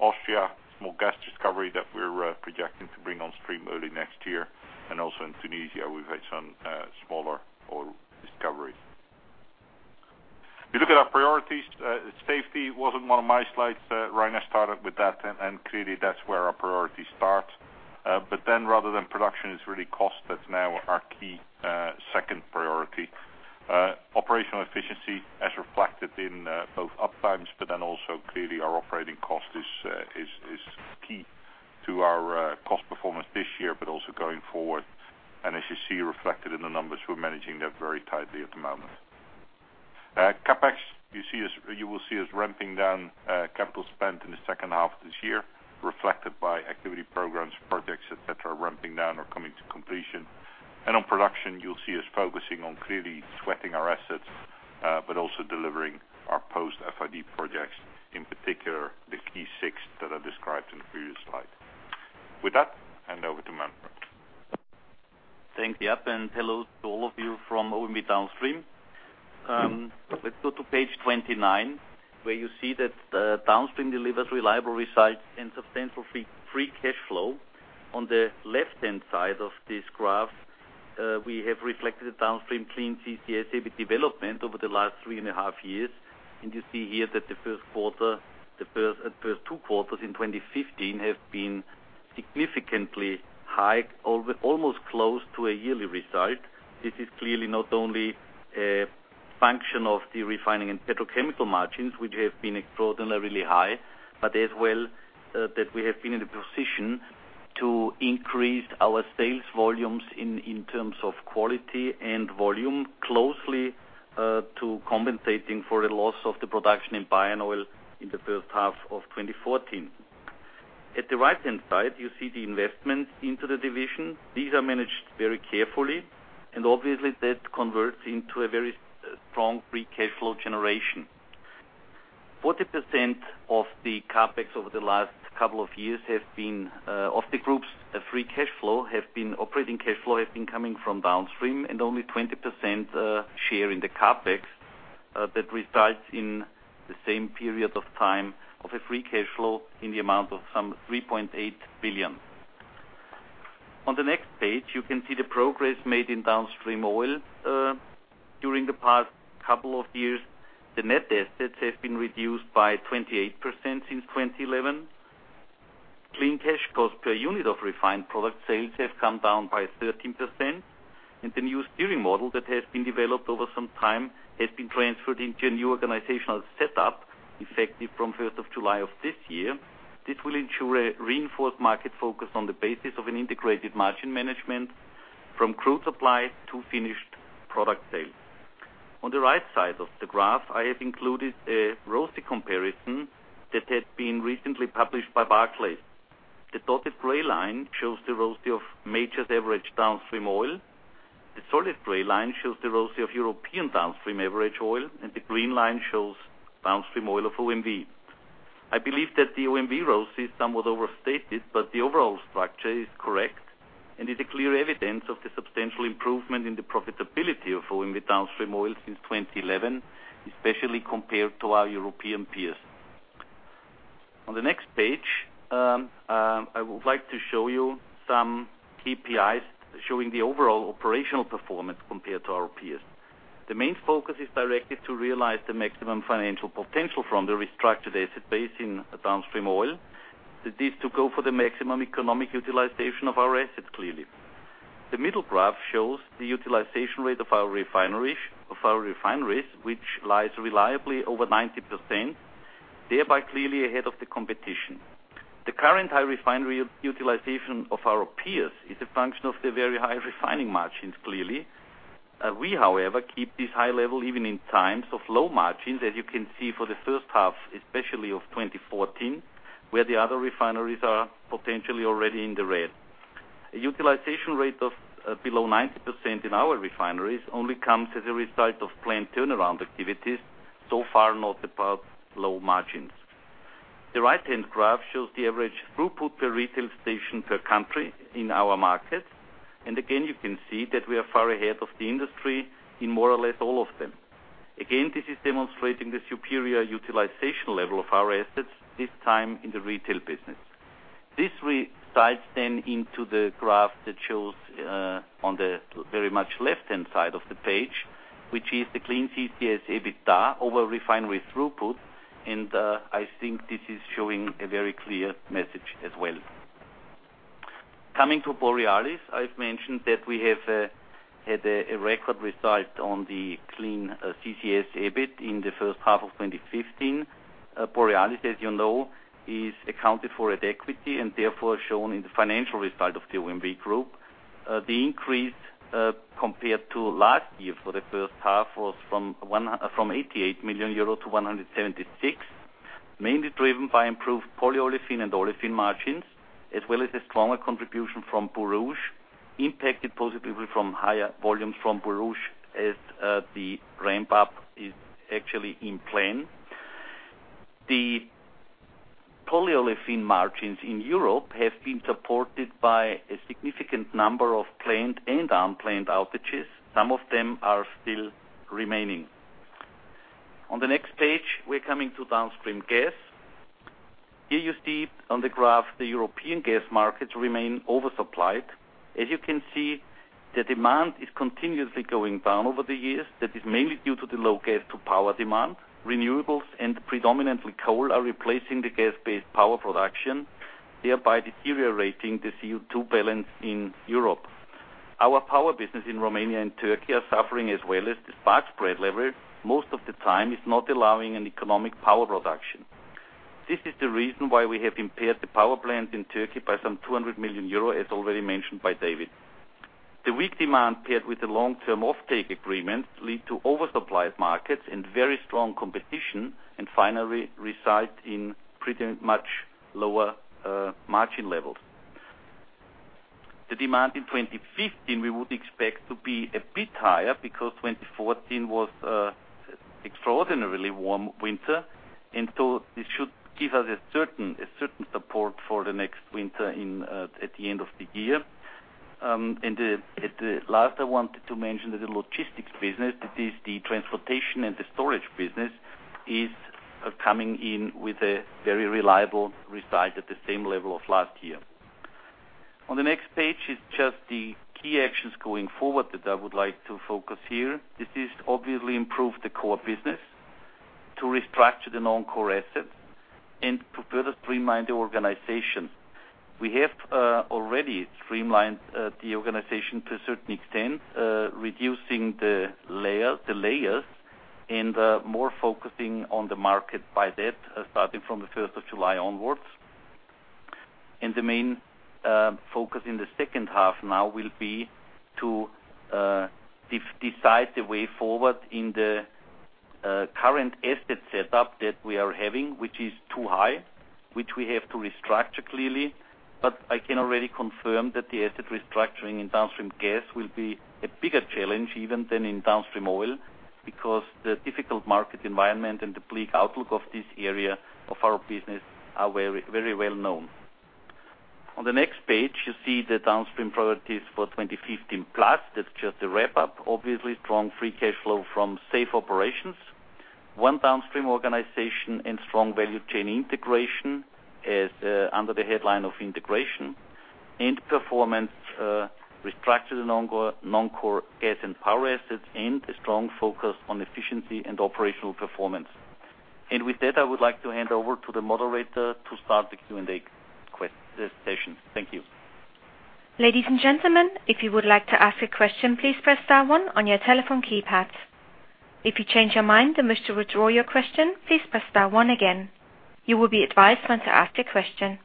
Austria, small gas discovery that we are projecting to bring on stream early next year. Also in Tunisia, we have had some smaller oil discovery. If you look at our priorities, safety was not one of my slides. Rainer started with that, and clearly, that is where our priority starts. Rather than production, it is really cost that is now our key second priority. Operational efficiency as reflected in both uptimes, but then also clearly our operating cost is key to our cost performance this year, but also going forward. As you see reflected in the numbers, we are managing that very tightly at the moment. CapEx, you will see us ramping down capital spend in the second half of this year, reflected by activity programs, projects, et cetera, ramping down or coming to completion. On production, you'll see us focusing on clearly sweating our assets, but also delivering our post FID projects, in particular, the key six that I described in the previous slide. With that, hand over to Manfred. Thanks, Jaap, and hello to all of you from OMV Downstream. Let's go to page 29, where you see that Downstream delivers reliable results and substantial free cash flow. On the left-hand side of this graph, we have reflected the Downstream clean CCS EBIT development over the last three and a half years. You see here that the first two quarters in 2015 have been significantly high, almost close to a yearly result. This is clearly not only a function of the refining and petrochemical margins, which have been extraordinarily high, but as well that we have been in the position to increase our sales volumes in terms of quality and volume, closely to compensating for the loss of the production in bio-oil in the first half of 2014. At the right-hand side, you see the investment into the division. These are managed very carefully, obviously, that converts into a very strong free cash flow generation. 40% of the group's free cash flow, operating cash flow has been coming from Downstream, only 20% share in the CapEx that resides in the same period of time of a free cash flow in the amount of some 3.8 billion. The next page, you can see the progress made in Downstream oil during the past couple of years. The net assets have been reduced by 28% since 2011. Clean cash cost per unit of refined product sales have come down by 13%, the new steering model that has been developed over some time has been transferred into a new organizational setup effective from 1st of July of this year. This will ensure a reinforced market focus on the basis of an integrated margin management from crude supply to finished product sales. The right side of the graph, I have included a ROCE comparison that had been recently published by Barclays. The dotted gray line shows the ROCE of majors average Downstream oil. The solid gray line shows the ROCE of European Downstream average oil, the green line shows Downstream oil of OMV. I believe that the OMV ROCE is somewhat overstated, the overall structure is correct and is a clear evidence of the substantial improvement in the profitability of OMV Downstream oil since 2011, especially compared to our European peers. The next page, I would like to show you some KPIs showing the overall operational performance compared to our peers. The main focus is directly to realize the maximum financial potential from the restructured asset base in downstream oil. That is to go for the maximum economic utilization of our assets, clearly. The middle graph shows the utilization rate of our refineries, which lies reliably over 90%, thereby clearly ahead of the competition. The current high refinery utilization of our peers is a function of the very high refining margins, clearly. We, however, keep this high level even in times of low margins, as you can see for the first half, especially of 2014, where the other refineries are potentially already in the red. A utilization rate of below 90% in our refineries only comes as a result of planned turnaround activities, so far not about low margins. The right-hand graph shows the average throughput per retail station per country in our markets. Again, you can see that we are far ahead of the industry in more or less all of them. Again, this is demonstrating the superior utilization level of our assets, this time in the retail business. This resides then into the graph that shows on the very much left-hand side of the page, which is the clean CCS EBITDA over refinery throughput, and I think this is showing a very clear message as well. Coming to Borealis, I've mentioned that we have had a record result on the clean CCS EBIT in the first half of 2015. Borealis, as you know, is accounted for at equity, and therefore shown in the financial result of the OMV group. The increase compared to last year for the first half was from 88 million euro to 176 million, mainly driven by improved polyolefin and olefin margins, as well as a stronger contribution from Borouge impacted positively from higher volumes from Borouge as the ramp-up is actually in plan. The polyolefin margins in Europe have been supported by a significant number of planned and unplanned outages. Some of them are still remaining. On the next page, we're coming to downstream gas. Here you see on the graph the European gas markets remain oversupplied. As you can see, the demand is continuously going down over the years. That is mainly due to the low gas to power demand. Renewables and predominantly coal are replacing the gas-based power production, thereby deteriorating the CO2 balance in Europe. Our power business in Romania and Turkey are suffering as well as the spark spread level most of the time is not allowing an economic power production. This is the reason why we have impaired the power plant in Turkey by some 200 million euro, as already mentioned by David. The weak demand paired with the long-term off-take agreement lead to oversupplied markets and very strong competition, and finally reside in pretty much lower margin levels. The demand in 2015 we would expect to be a bit higher because 2014 was extraordinarily warm winter, so this should give us a certain support for the next winter at the end of the year. At last, I wanted to mention that the logistics business, that is the transportation and the storage business, are coming in with a very reliable result at the same level of last year. On the next page is just the key actions going forward that I would like to focus here. This is obviously improve the core business, to restructure the non-core assets, and to further streamline the organization. We have already streamlined the organization to a certain extent, reducing the layers and more focusing on the market by that, starting from the 1st of July onwards. The main focus in the second half now will be to decide the way forward in the current asset setup that we are having, which is too high, which we have to restructure clearly. I can already confirm that the asset restructuring in downstream gas will be a bigger challenge even than in downstream oil, because the difficult market environment and the bleak outlook of this area of our business are very well known. On the next page, you see the downstream priorities for 2015 plus. That's just a wrap-up. Obviously, strong free cash flow from safe operations. One downstream organization and strong value chain integration is under the headline of integration. Performance, restructure the non-core gas and power assets, and a strong focus on efficiency and operational performance. With that, I would like to hand over to the moderator to start the Q&A session. Thank you. Ladies and gentlemen, if you would like to ask a question, please press star one on your telephone keypad. If you change your mind and wish to withdraw your question, please press star one again. You will be advised when to ask a question.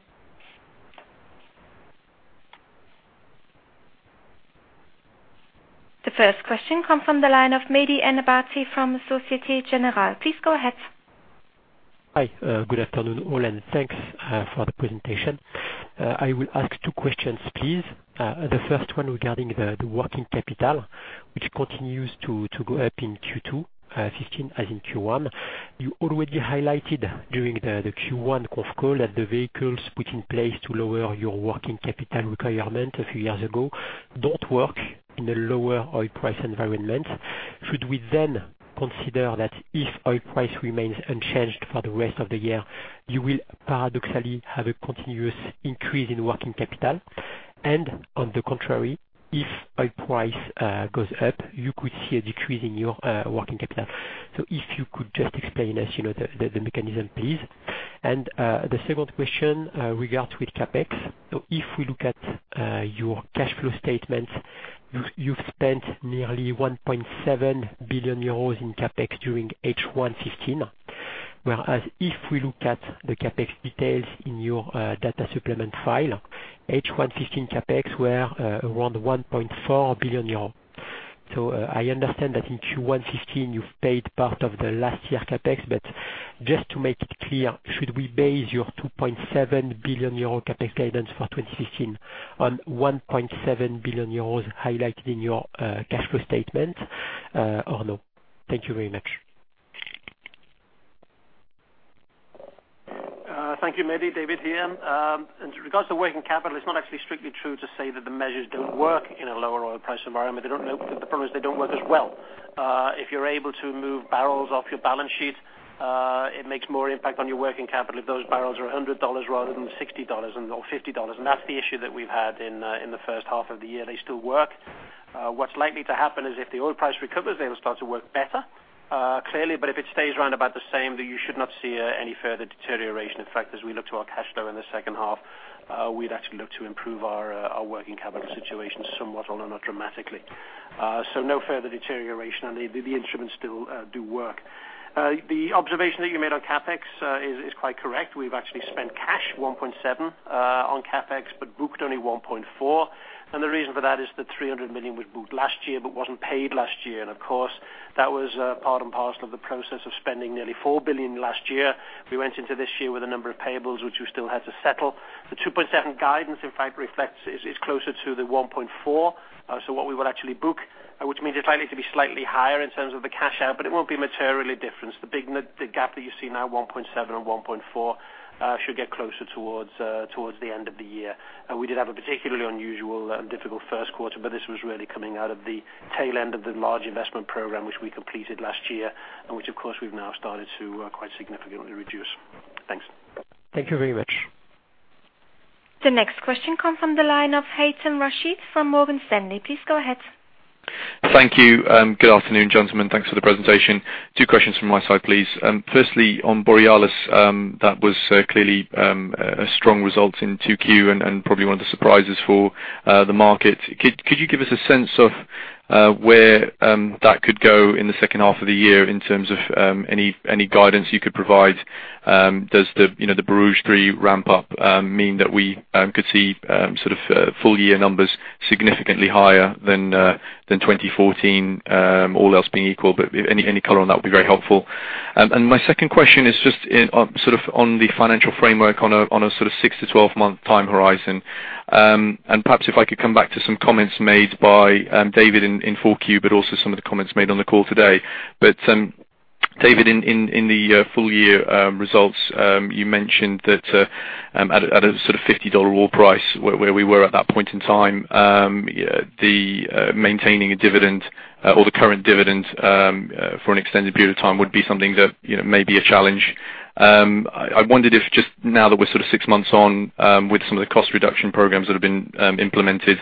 The first question come from the line of Mehdi Ennebati from Société Générale. Please go ahead. Hi. Good afternoon, all, and thanks for the presentation. I will ask two questions, please. The first one regarding the working capital, which continues to go up in Q2 2015 as in Q1. You already highlighted during the Q1 conf call that the vehicles put in place to lower your working capital requirement a few years ago don't work in a lower oil price environment. Should we consider that if oil price remains unchanged for the rest of the year, you will paradoxically have a continuous increase in working capital? On the contrary, if oil price goes up, you could see a decrease in your working capital. If you could just explain us the mechanism, please. The second question regards with CapEx. If we look at your cash flow statement, you've spent nearly 1.7 billion euros in CapEx during H1 2015, whereas if we look at the CapEx details in your data supplement file, H1 2015 CapEx were around 1.4 billion euros. I understand that in Q1 2015, you've paid part of the last year CapEx. Just to make it clear, should we base your 2.7 billion euro CapEx guidance for 2016 on 1.7 billion euros highlighted in your cash flow statement or no? Thank you very much. Thank you, Mehdi. David here. In regards to working capital, it's not actually strictly true to say that the measures don't work in a lower oil price environment. The problem is they don't work as well. If you're able to move barrels off your balance sheet, it makes more impact on your working capital if those barrels are $100 rather than $60 or $50. That's the issue that we've had in the first half of the year. They still work. What's likely to happen is if the oil price recovers, they'll start to work better, clearly. If it stays around about the same, you should not see any further deterioration. In fact, as we look to our cash flow in the second half, we'd actually look to improve our working capital situation somewhat, although not dramatically. No further deterioration, and the instruments still do work. The observation that you made on CapEx is quite correct. We've actually spent cash 1.7 on CapEx but booked only 1.4. The reason for that is that 300 million was booked last year but wasn't paid last year. Of course, that was part and parcel of the process of spending nearly 4 billion last year. We went into this year with a number of payables, which we still had to settle. The 2.7 guidance, in fact, reflects is closer to the 1.4. What we will actually book, which means it's likely to be slightly higher in terms of the cash out, but it won't be materially different. The gap that you see now, 1.7 and 1.4, should get closer towards the end of the year. We did have a particularly unusual and difficult first quarter, this was really coming out of the tail end of the large investment program which we completed last year and which, of course, we've now started to quite significantly reduce. Thanks. Thank you very much. The next question come from the line of Haytham Hodaly from Morgan Stanley. Please go ahead. Thank you. Good afternoon, gentlemen. Thanks for the presentation. Two questions from my side, please. Firstly, on Borealis, that was clearly a strong result in 2Q and probably one of the surprises for the market. Could you give us a sense of where that could go in the second half of the year in terms of any guidance you could provide? Does the Borouge 3 ramp-up mean that we could see sort of full-year numbers significantly higher than 2014, all else being equal? Any color on that would be very helpful. My second question is just sort of on the financial framework on a sort of six to 12-month time horizon. Perhaps if I could come back to some comments made by David in 4Q, but also some of the comments made on the call today. David, in the full-year results, you mentioned that At a sort of $50 oil price, where we were at that point in time, maintaining a dividend or the current dividend for an extended period of time would be something that may be a challenge. I wondered if just now that we're sort of six months on with some of the cost reduction programs that have been implemented,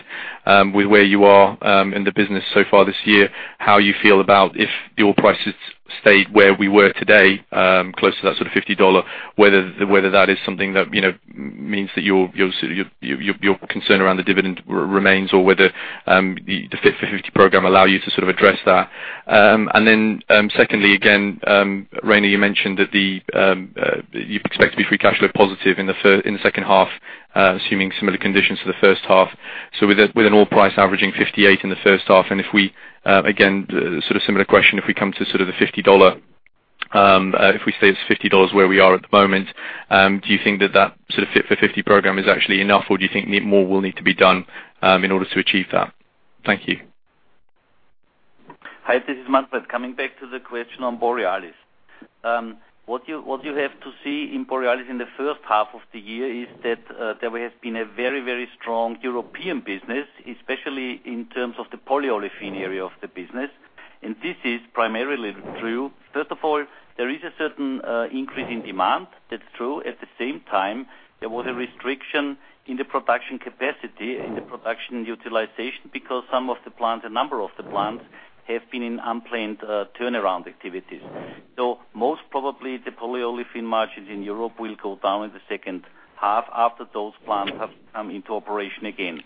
with where you are in the business so far this year, how you feel about if the oil prices stayed where we were today, close to that sort of $50, whether that is something that means that your concern around the dividend remains or whether the Fit for 50 program allow you to sort of address that. Secondly, again, Rainer, you mentioned that you expect to be free cash flow positive in the second half, assuming similar conditions to the first half. With an oil price averaging 58 in the first half, and if we, again, sort of similar question, if we come to sort of the $50, if we stay as $50 where we are at the moment, do you think that that Fit for 50 program is actually enough, or do you think more will need to be done in order to achieve that? Thank you. Hi, this is Manfred. Coming back to the question on Borealis. What you have to see in Borealis in the first half of the year is that there has been a very strong European business, especially in terms of the polyolefin area of the business. This is primarily true. First of all, there is a certain increase in demand. That's true. At the same time, there was a restriction in the production capacity and the production utilization because a number of the plants have been in unplanned turnaround activities. Most probably, the polyolefin margins in Europe will go down in the second half after those plants have come into operation again.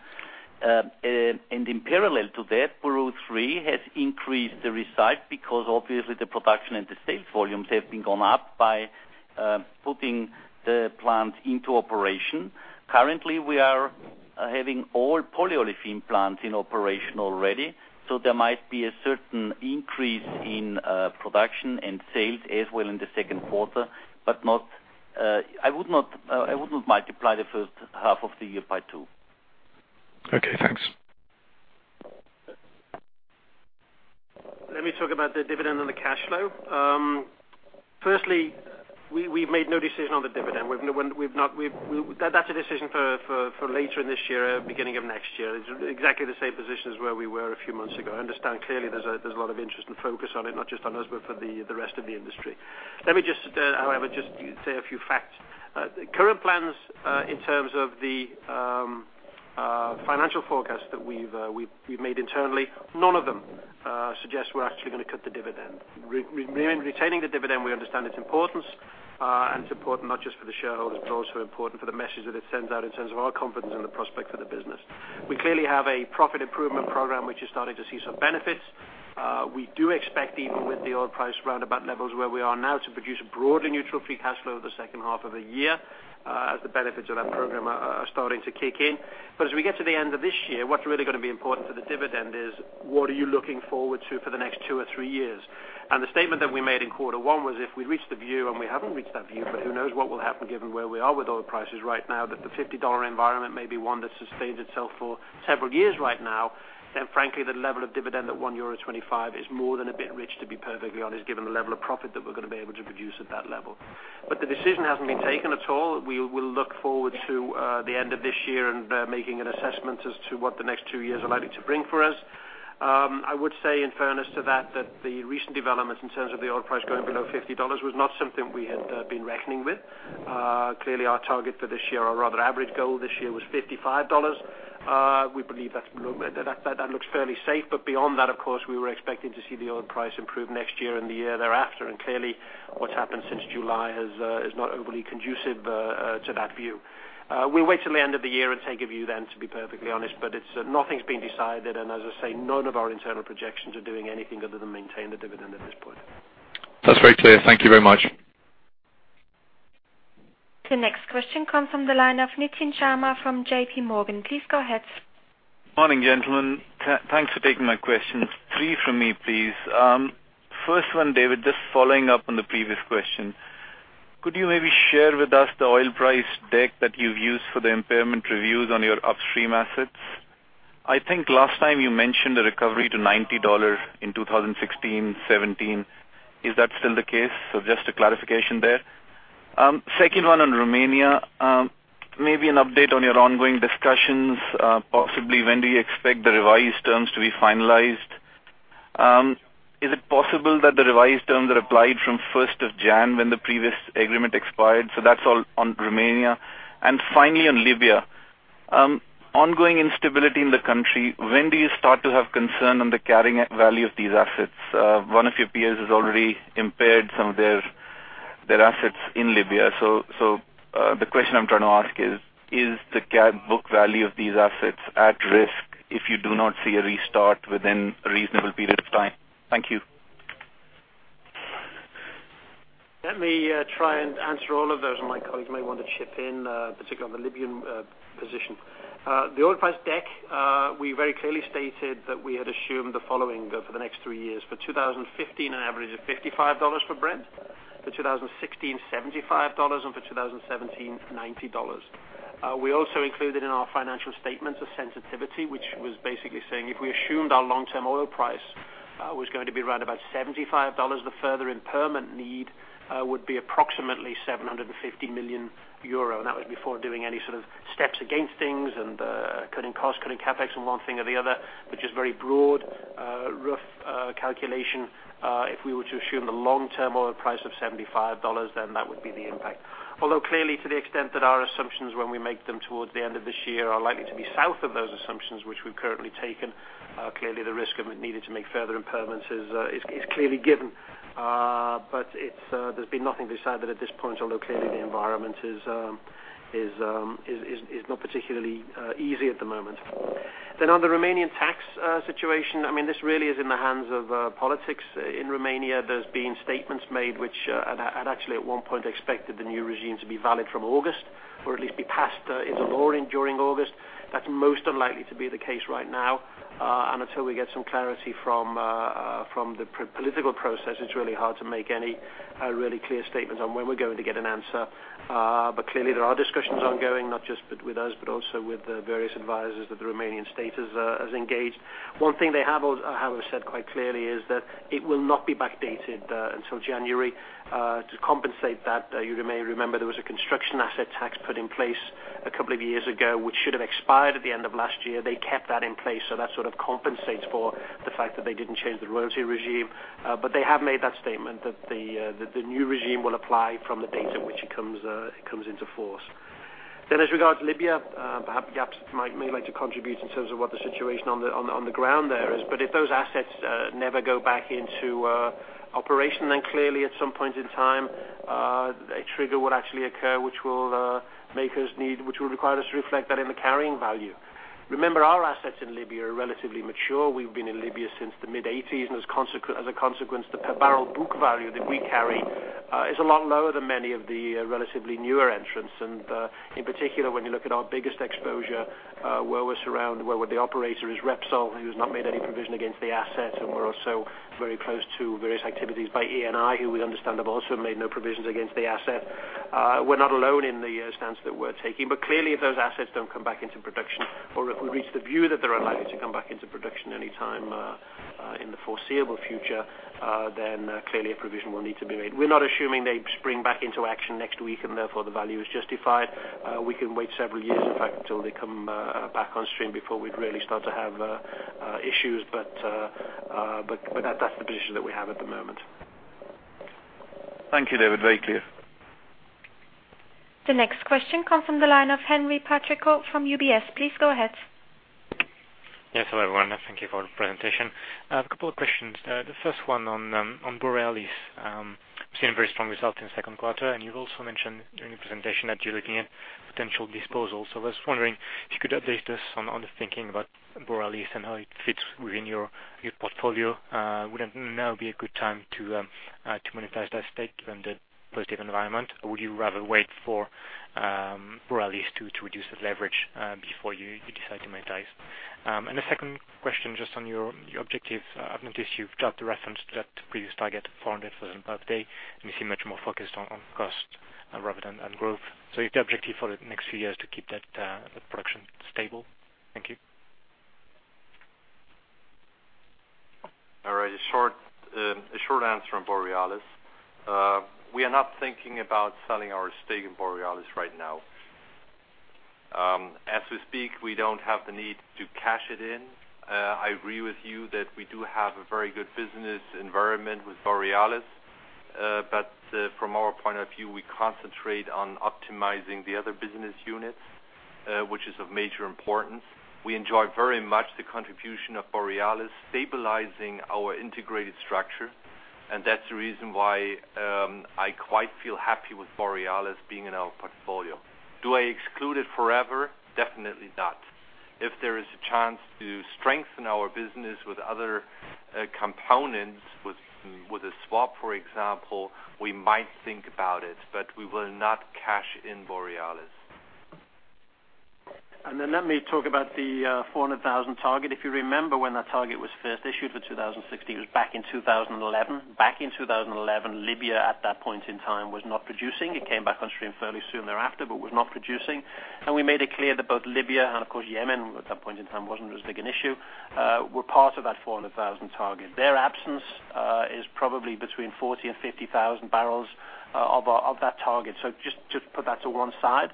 In parallel to that, Borouge 3 has increased the result because obviously the production and the sales volumes have been gone up by putting the plants into operation. Currently, we are having all polyolefin plants in operation already. There might be a certain increase in production and sales as well in the second quarter, but I would not multiply the first half of the year by two. Okay, thanks. Let me talk about the dividend and the cash flow. Firstly, we've made no decision on the dividend. That's a decision for later in this year or beginning of next year. It's exactly the same position as where we were a few months ago. I understand clearly there's a lot of interest and focus on it, not just on us, but for the rest of the industry. Let me just, however, just say a few facts. Current plans in terms of the financial forecast that we've made internally, none of them suggest we're actually going to cut the dividend. Retaining the dividend, we understand its importance, and it's important not just for the shareholders, but also important for the message that it sends out in terms of our confidence in the prospect for the business. We clearly have a profit improvement program, which is starting to see some benefits. We do expect even with the oil price roundabout levels where we are now to produce a broadly neutral free cash flow the second half of the year as the benefits of that program are starting to kick in. As we get to the end of this year, what's really going to be important for the dividend is what are you looking forward to for the next two or three years? The statement that we made in quarter one was if we reached the view, and we haven't reached that view, but who knows what will happen given where we are with oil prices right now, that the $50 environment may be one that sustains itself for several years right now. Frankly, the level of dividend at 1.25 euro is more than a bit rich, to be perfectly honest, given the level of profit that we're going to be able to produce at that level. The decision hasn't been taken at all. We will look forward to the end of this year and making an assessment as to what the next two years are likely to bring for us. I would say in fairness to that the recent developments in terms of the oil price going below $50 was not something we had been reckoning with. Clearly, our target for this year, or rather average goal this year was $55. We believe that looks fairly safe, but beyond that, of course, we were expecting to see the oil price improve next year and the year thereafter. Clearly, what's happened since July is not overly conducive to that view. We'll wait till the end of the year and take a view then, to be perfectly honest. Nothing's been decided, and as I say, none of our internal projections are doing anything other than maintain the dividend at this point. That's very clear. Thank you very much. The next question comes from the line of Nitin Sharma from JPMorgan. Please go ahead. Morning, gentlemen. Thanks for taking my questions. Three from me, please. First one, David, just following up on the previous question. Could you maybe share with us the oil price deck that you've used for the impairment reviews on your upstream assets? I think last time you mentioned a recovery to $90 in 2016, 2017. Is that still the case? Just a clarification there. Second one on Romania. Maybe an update on your ongoing discussions. Possibly when do you expect the revised terms to be finalized? Is it possible that the revised terms are applied from 1st of January when the previous agreement expired? That's all on Romania. Finally, on Libya. Ongoing instability in the country, when do you start to have concern on the carrying value of these assets? One of your peers has already impaired some of their assets in Libya. The question I'm trying to ask is the book value of these assets at risk if you do not see a restart within a reasonable period of time? Thank you. Let me try and answer all of those, and my colleague may want to chip in, particularly on the Libyan position. The oil price deck, we very clearly stated that we had assumed the following for the next three years. For 2015, an average of $55 for Brent. For 2016, $75. For 2017, $90. We also included in our financial statements a sensitivity, which was basically saying, if we assumed our long-term oil price was going to be around about $75, the further impairment need would be approximately 750 million euro. That was before doing any sort of steps against things and cutting costs, cutting CapEx and one thing or the other, which is very broad, rough calculation. If we were to assume the long-term oil price of $75, that would be the impact. Clearly to the extent that our assumptions when we make them towards the end of this year, are likely to be south of those assumptions which we've currently taken. Clearly the risk of it needed to make further impairments is clearly given. There's been nothing decided at this point, although clearly the environment is not particularly easy at the moment. On the Romanian tax situation, this really is in the hands of politics in Romania. There's been statements made which, and actually at one point expected the new regime to be valid from August, or at least be passed into law during August. That's most unlikely to be the case right now. Until we get some clarity from the political process, it's really hard to make any really clear statements on when we're going to get an answer. Clearly there are discussions ongoing, not just with us, but also with the various advisers that the Romanian state has engaged. One thing they have said quite clearly is that it will not be backdated until January. To compensate that, you may remember there was a construction asset tax put in place a couple of years ago, which should have expired at the end of last year. They kept that in place, so that sort of compensates for the fact that they didn't change the royalty regime. They have made that statement that the new regime will apply from the date at which it comes into force. As regards to Libya, perhaps Jaap may like to contribute in terms of what the situation on the ground there is. If those assets never go back into operation, then clearly at some point in time, a trigger would actually occur which will require us to reflect that in the carrying value. Remember, our assets in Libya are relatively mature. We've been in Libya since the mid-'80s, and as a consequence, the per barrel book value that we carry is a lot lower than many of the relatively newer entrants. In particular, when you look at our biggest exposure, where we're the operator, is Repsol, who has not made any provision against the asset, and we're also very close to various activities by Eni, who we understand have also made no provisions against the asset. We're not alone in the stance that we're taking. Clearly, if those assets don't come back into production, or if we reach the view that they're unlikely to come back into production any time in the foreseeable future, clearly a provision will need to be made. We're not assuming they spring back into action next week. Therefore, the value is justified. We can wait several years, in fact, until they come back on stream before we'd really start to have issues. That's the position that we have at the moment. Thank you, David. Very clear. The next question comes from the line of Henri Patricot from UBS. Please go ahead. Hello everyone. Thank you for the presentation. A couple of questions. The first one on Borealis. Seeing very strong results in the second quarter. You've also mentioned during your presentation that you're looking at potential disposals. I was wondering if you could update us on the thinking about Borealis and how it fits within your portfolio. Wouldn't now be a good time to monetize that stake given the positive environment? Would you rather wait for Borealis to reduce its leverage before you decide to monetize? The second question, just on your objective. I've noticed you've dropped the reference to that previous target, 400,000 barrels per day. You seem much more focused on cost rather than on growth. Is the objective for the next few years to keep that production stable? Thank you. A short answer on Borealis. We are not thinking about selling our stake in Borealis right now. As we speak, we don't have the need to cash it in. I agree with you that we do have a very good business environment with Borealis. From our point of view, we concentrate on optimizing the other business units, which is of major importance. We enjoy very much the contribution of Borealis stabilizing our integrated structure, and that's the reason why I quite feel happy with Borealis being in our portfolio. Do I exclude it forever? Definitely not. If there is a chance to strengthen our business with other components, with a swap, for example, we might think about it, but we will not cash in Borealis. Let me talk about the 400,000 target. If you remember when that target was first issued for 2016, it was back in 2011. Back in 2011, Libya at that point in time was not producing. It came back on stream fairly soon thereafter, but was not producing. We made it clear that both Libya and of course Yemen, at that point in time wasn't as big an issue, were part of that 400,000 target. Their absence is probably between 40,000-50,000 barrels of that target. Just put that to one side.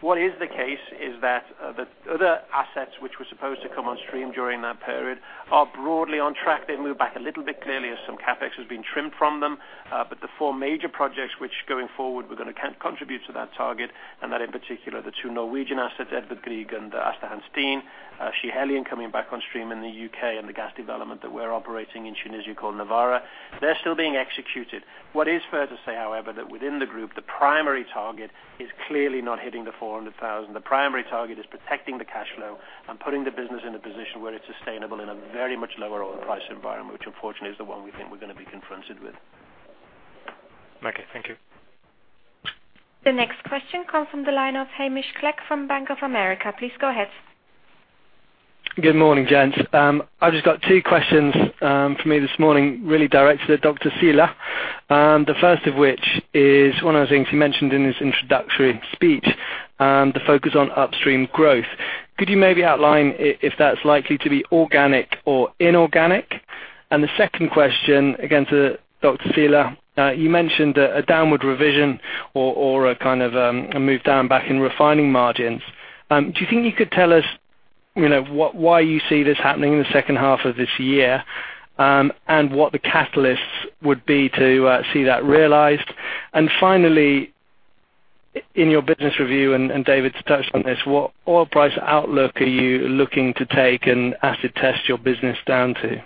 What is the case is that the other assets which were supposed to come on stream during that period are broadly on track. They've moved back a little bit, clearly, as some CapEx has been trimmed from them. The four major projects which going forward were going to contribute to that target, and that in particular the two Norwegian assets, Edvard Grieg and Aasta Hansteen, Schiehallion coming back on stream in the U.K., and the gas development that we're operating in Tunisia called Nawara. They're still being executed. What is fair to say, however, that within the group, the primary target is clearly not hitting the 400,000. The primary target is protecting the cash flow and putting the business in a position where it's sustainable in a very much lower oil price environment, which unfortunately is the one we think we're going to be confronted with. Okay, thank you. The next question comes from the line of Hamish Clegg from Bank of America. Please go ahead. Good morning, gents. I've just got two questions for me this morning, really directed at Rainer Seele. The first of which is one of the things you mentioned in his introductory speech, the focus on upstream growth. Could you maybe outline if that's likely to be organic or inorganic? The second question, again to Rainer Seele, you mentioned a downward revision or a move down back in refining margins. Do you think you could tell us why you see this happening in the second half of this year, and what the catalysts would be to see that realized? Finally, in your business review, and David's touched on this, what oil price outlook are you looking to take and acid test your business down to?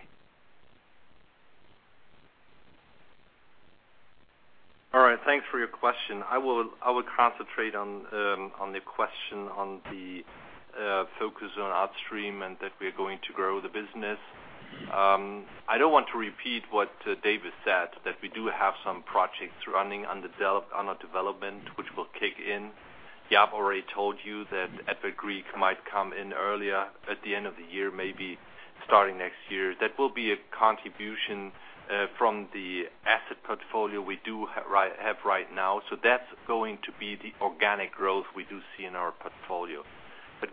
All right, thanks for your question. I will concentrate on the question on the focus on upstream and that we're going to grow the business. I don't want to repeat what David said, that we do have some projects running under development, which will kick in. Jaap already told you that Edvard Grieg might come in earlier at the end of the year, maybe starting next year. That will be a contribution from the asset portfolio we do have right now. That's going to be the organic growth we do see in our portfolio.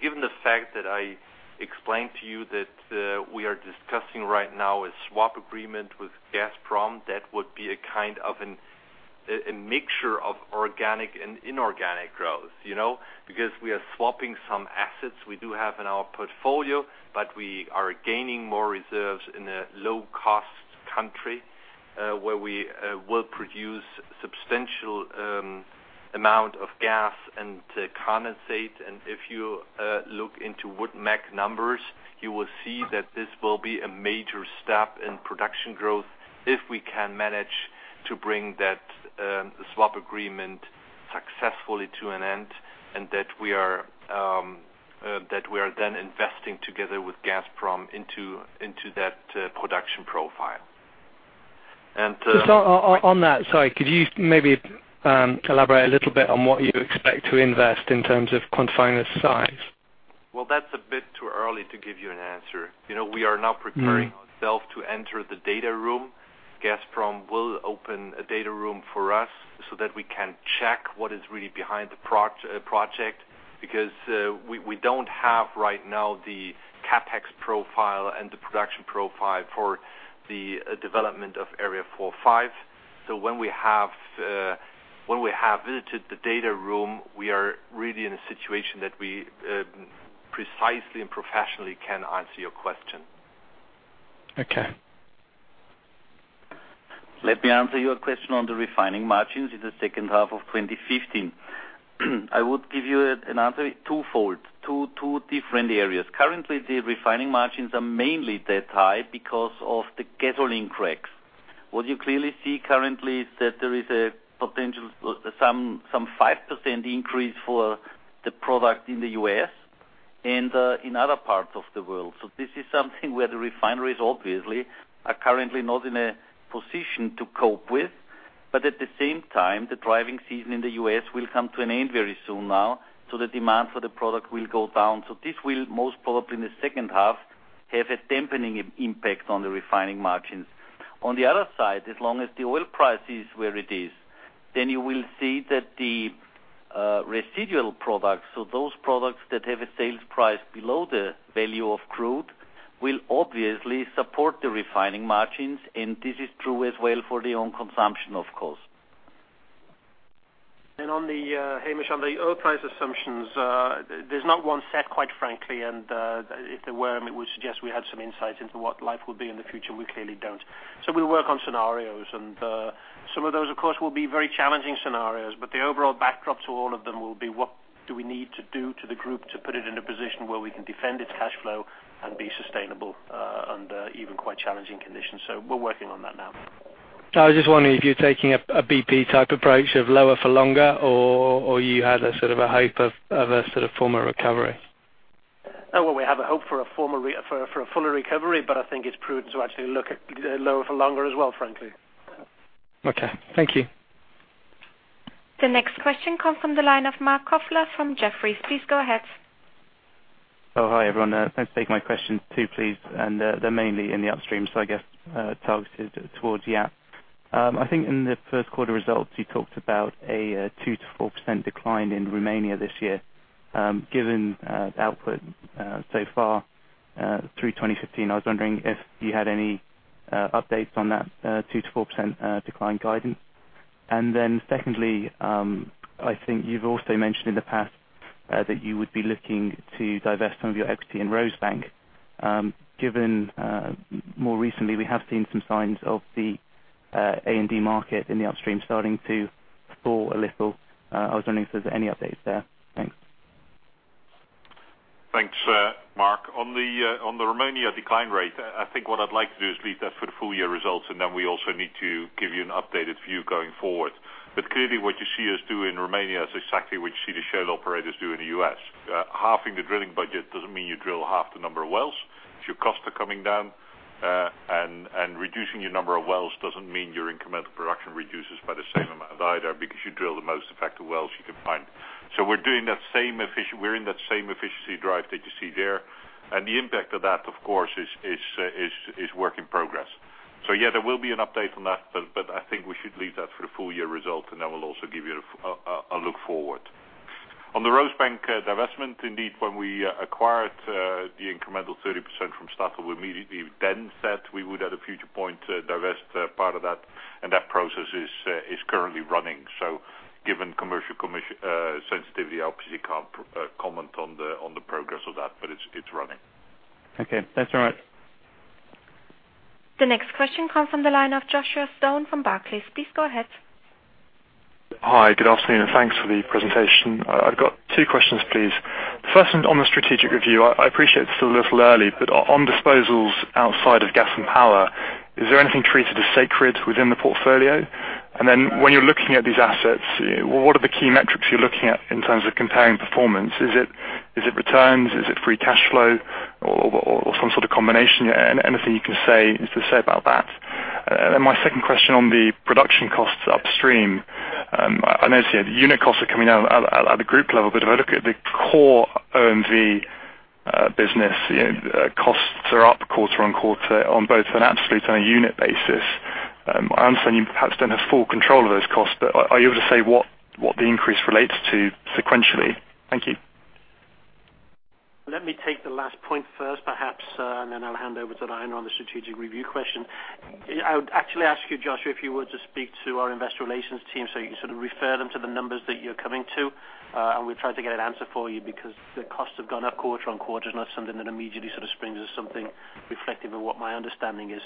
Given the fact that I explained to you that we are discussing right now a swap agreement with Gazprom, that would be a kind of a mixture of organic and inorganic growth. Because we are swapping some assets we do have in our portfolio, but we are gaining more reserves in a low-cost country, where we will produce substantial amount of gas and condensate. If you look into WoodMac numbers, you will see that this will be a major step in production growth if we can manage to bring that swap agreement successfully to an end, and that we are then investing together with Gazprom into that production profile. Just on that, sorry, could you maybe elaborate a little bit on what you expect to invest in terms of quantifying the size? Well, that's a bit too early to give you an answer. We are now preparing ourselves to enter the data room. Gazprom will open a data room for us so that we can check what is really behind the project, because we don't have, right now, the CapEx profile and the production profile for the development of Area 4A. When we have visited the data room, we are really in a situation that we precisely and professionally can answer your question. Okay. Let me answer your question on the refining margins in the second half of 2015. I would give you an answer twofold, two different areas. Currently, the refining margins are mainly that high because of the gasoline cracks. What you clearly see currently is that there is a potential some 5% increase for the product in the U.S. and in other parts of the world. This is something where the refineries obviously are currently not in a position to cope with. At the same time, the driving season in the U.S. will come to an end very soon now, so the demand for the product will go down. This will, most probably in the second half, have a dampening impact on the refining margins. On the other side, as long as the oil price is where it is, then you will see that the residual products, so those products that have a sales price below the value of crude, will obviously support the refining margins, and this is true as well for their own consumption, of course. Hamish, on the oil price assumptions, there's not one set, quite frankly. If there were, it would suggest we had some insight into what life will be in the future, and we clearly don't. We work on scenarios, and some of those, of course, will be very challenging scenarios, but the overall backdrop to all of them will be what do we need to do to the group to put it in a position where we can defend its cash flow and be sustainable under even quite challenging conditions. We're working on that now. No, I was just wondering if you're taking a BP type approach of lower for longer or you had a sort of a hope of a sort of former recovery. Well, we have a hope for a fuller recovery, I think it's prudent to actually look at lower for longer as well, frankly. Okay. Thank you. The next question comes from the line of Marc Kofler from Jefferies. Please go ahead. Oh, hi, everyone. Let's take my question too, please. They're mainly in the upstream, so I guess, targeted towards Jaap. I think in the first quarter results, you talked about a 2%-4% decline in Romania this year. Given output so far through 2015, I was wondering if you had any updates on that 2%-4% decline guidance. Secondly, I think you've also mentioned in the past that you would be looking to divest some of your equity in Rosebank. Given more recently, we have seen some signs of the A&D market in the upstream starting to fall a little. I was wondering if there's any updates there. Thanks. Thanks, Marc. On the Romania decline rate, I think what I'd like to do is leave that for the full year results. We also need to give you an updated view going forward. Clearly what you see us do in Romania is exactly what you see the shale operators do in the U.S. Halving the drilling budget doesn't mean you drill half the number of wells. Your costs are coming down. Reducing your number of wells doesn't mean your incremental production reduces by the same amount either, because you drill the most effective wells you can find. We're in that same efficiency drive that you see there. The impact of that, of course, is work in progress. Yeah, there will be an update on that, but I think we should leave that for the full year result. We'll also give you a look forward. On the Rosebank divestment, indeed, when we acquired the incremental 30% from Statoil, we immediately then said we would, at a future point, divest part of that. That process is currently running. Given commercial sensitivity, I obviously can't comment on the progress of that, but it's running. Okay. Thanks very much. The next question comes from the line of Joshua Stone from Barclays. Please go ahead. Hi. Good afternoon, and thanks for the presentation. I've got two questions, please. First, on the strategic review. I appreciate it's still a little early, but on disposals outside of gas and power, is there anything treated as sacred within the portfolio? When you're looking at these assets, what are the key metrics you're looking at in terms of comparing performance? Is it returns? Is it free cash flow or some sort of combination? Anything you can say about that? My second question on the production costs upstream. I notice the unit costs are coming down at a group level, but if I look at the core OMV business, costs are up quarter-on-quarter on both an absolute and a unit basis. I understand you perhaps don't have full control of those costs, but are you able to say what the increase relates to sequentially? Thank you. Let me take the last point first, perhaps. Then I'll hand over to Rainer on the strategic review question. I would actually ask you, Joshua, if you were to speak to our investor relations team, you can sort of refer them to the numbers that you're coming to, and we'll try to get an answer for you, because the costs have gone up quarter-on-quarter. Not something that immediately sort of springs as something reflective of what my understanding is.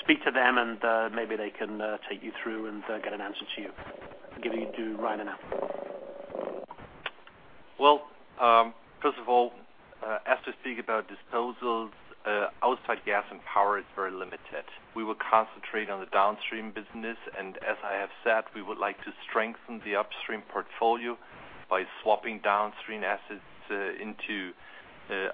Speak to them, and maybe they can take you through and get an answer to you. I'll give you to Rainer now. Well, first of all, as we speak about disposals, outside gas and power is very limited. We will concentrate on the downstream business. As I have said, we would like to strengthen the upstream portfolio by swapping downstream assets into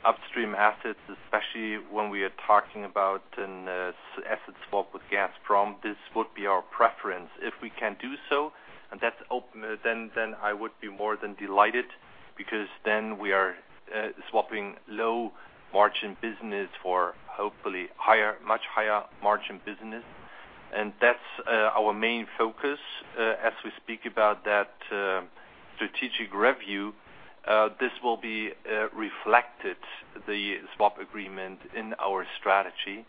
upstream assets, especially when we are talking about an asset swap with Gazprom. This would be our preference. If we can do so, then I would be more than delighted, because then we are swapping low-margin business for hopefully much higher-margin business, and that's our main focus. As we speak about that strategic review, this will be reflected, the swap agreement in our strategy.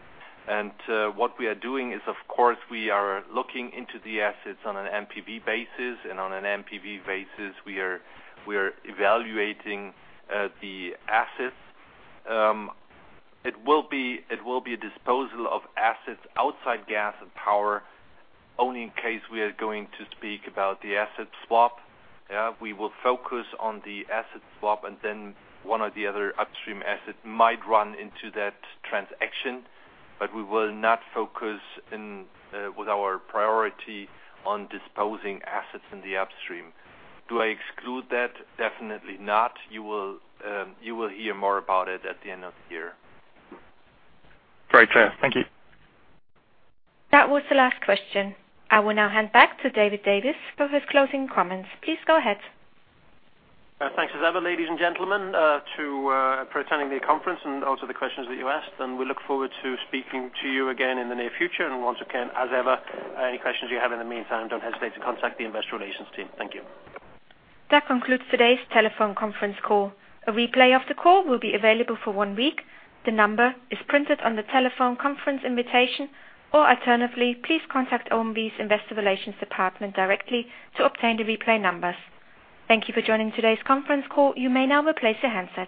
What we are doing is, of course, we are looking into the assets on an NPV basis, and on an NPV basis, we are evaluating the assets. It will be a disposal of assets outside gas and power only in case we are going to speak about the asset swap. Yeah. We will focus on the asset swap, and then one or the other upstream asset might run into that transaction. We will not focus with our priority on disposing assets in the upstream. Do I exclude that? Definitely not. You will hear more about it at the end of the year. Very clear. Thank you. That was the last question. I will now hand back to David Davies for his closing comments. Please go ahead. Thanks as ever, ladies and gentlemen, for attending the conference and also the questions that you asked. We look forward to speaking to you again in the near future. Once again, as ever, any questions you have in the meantime, don't hesitate to contact the investor relations team. Thank you. That concludes today's telephone conference call. A replay of the call will be available for one week. The number is printed on the telephone conference invitation or alternatively, please contact OMV's investor relations department directly to obtain the replay numbers. Thank you for joining today's conference call. You may now replace your handsets.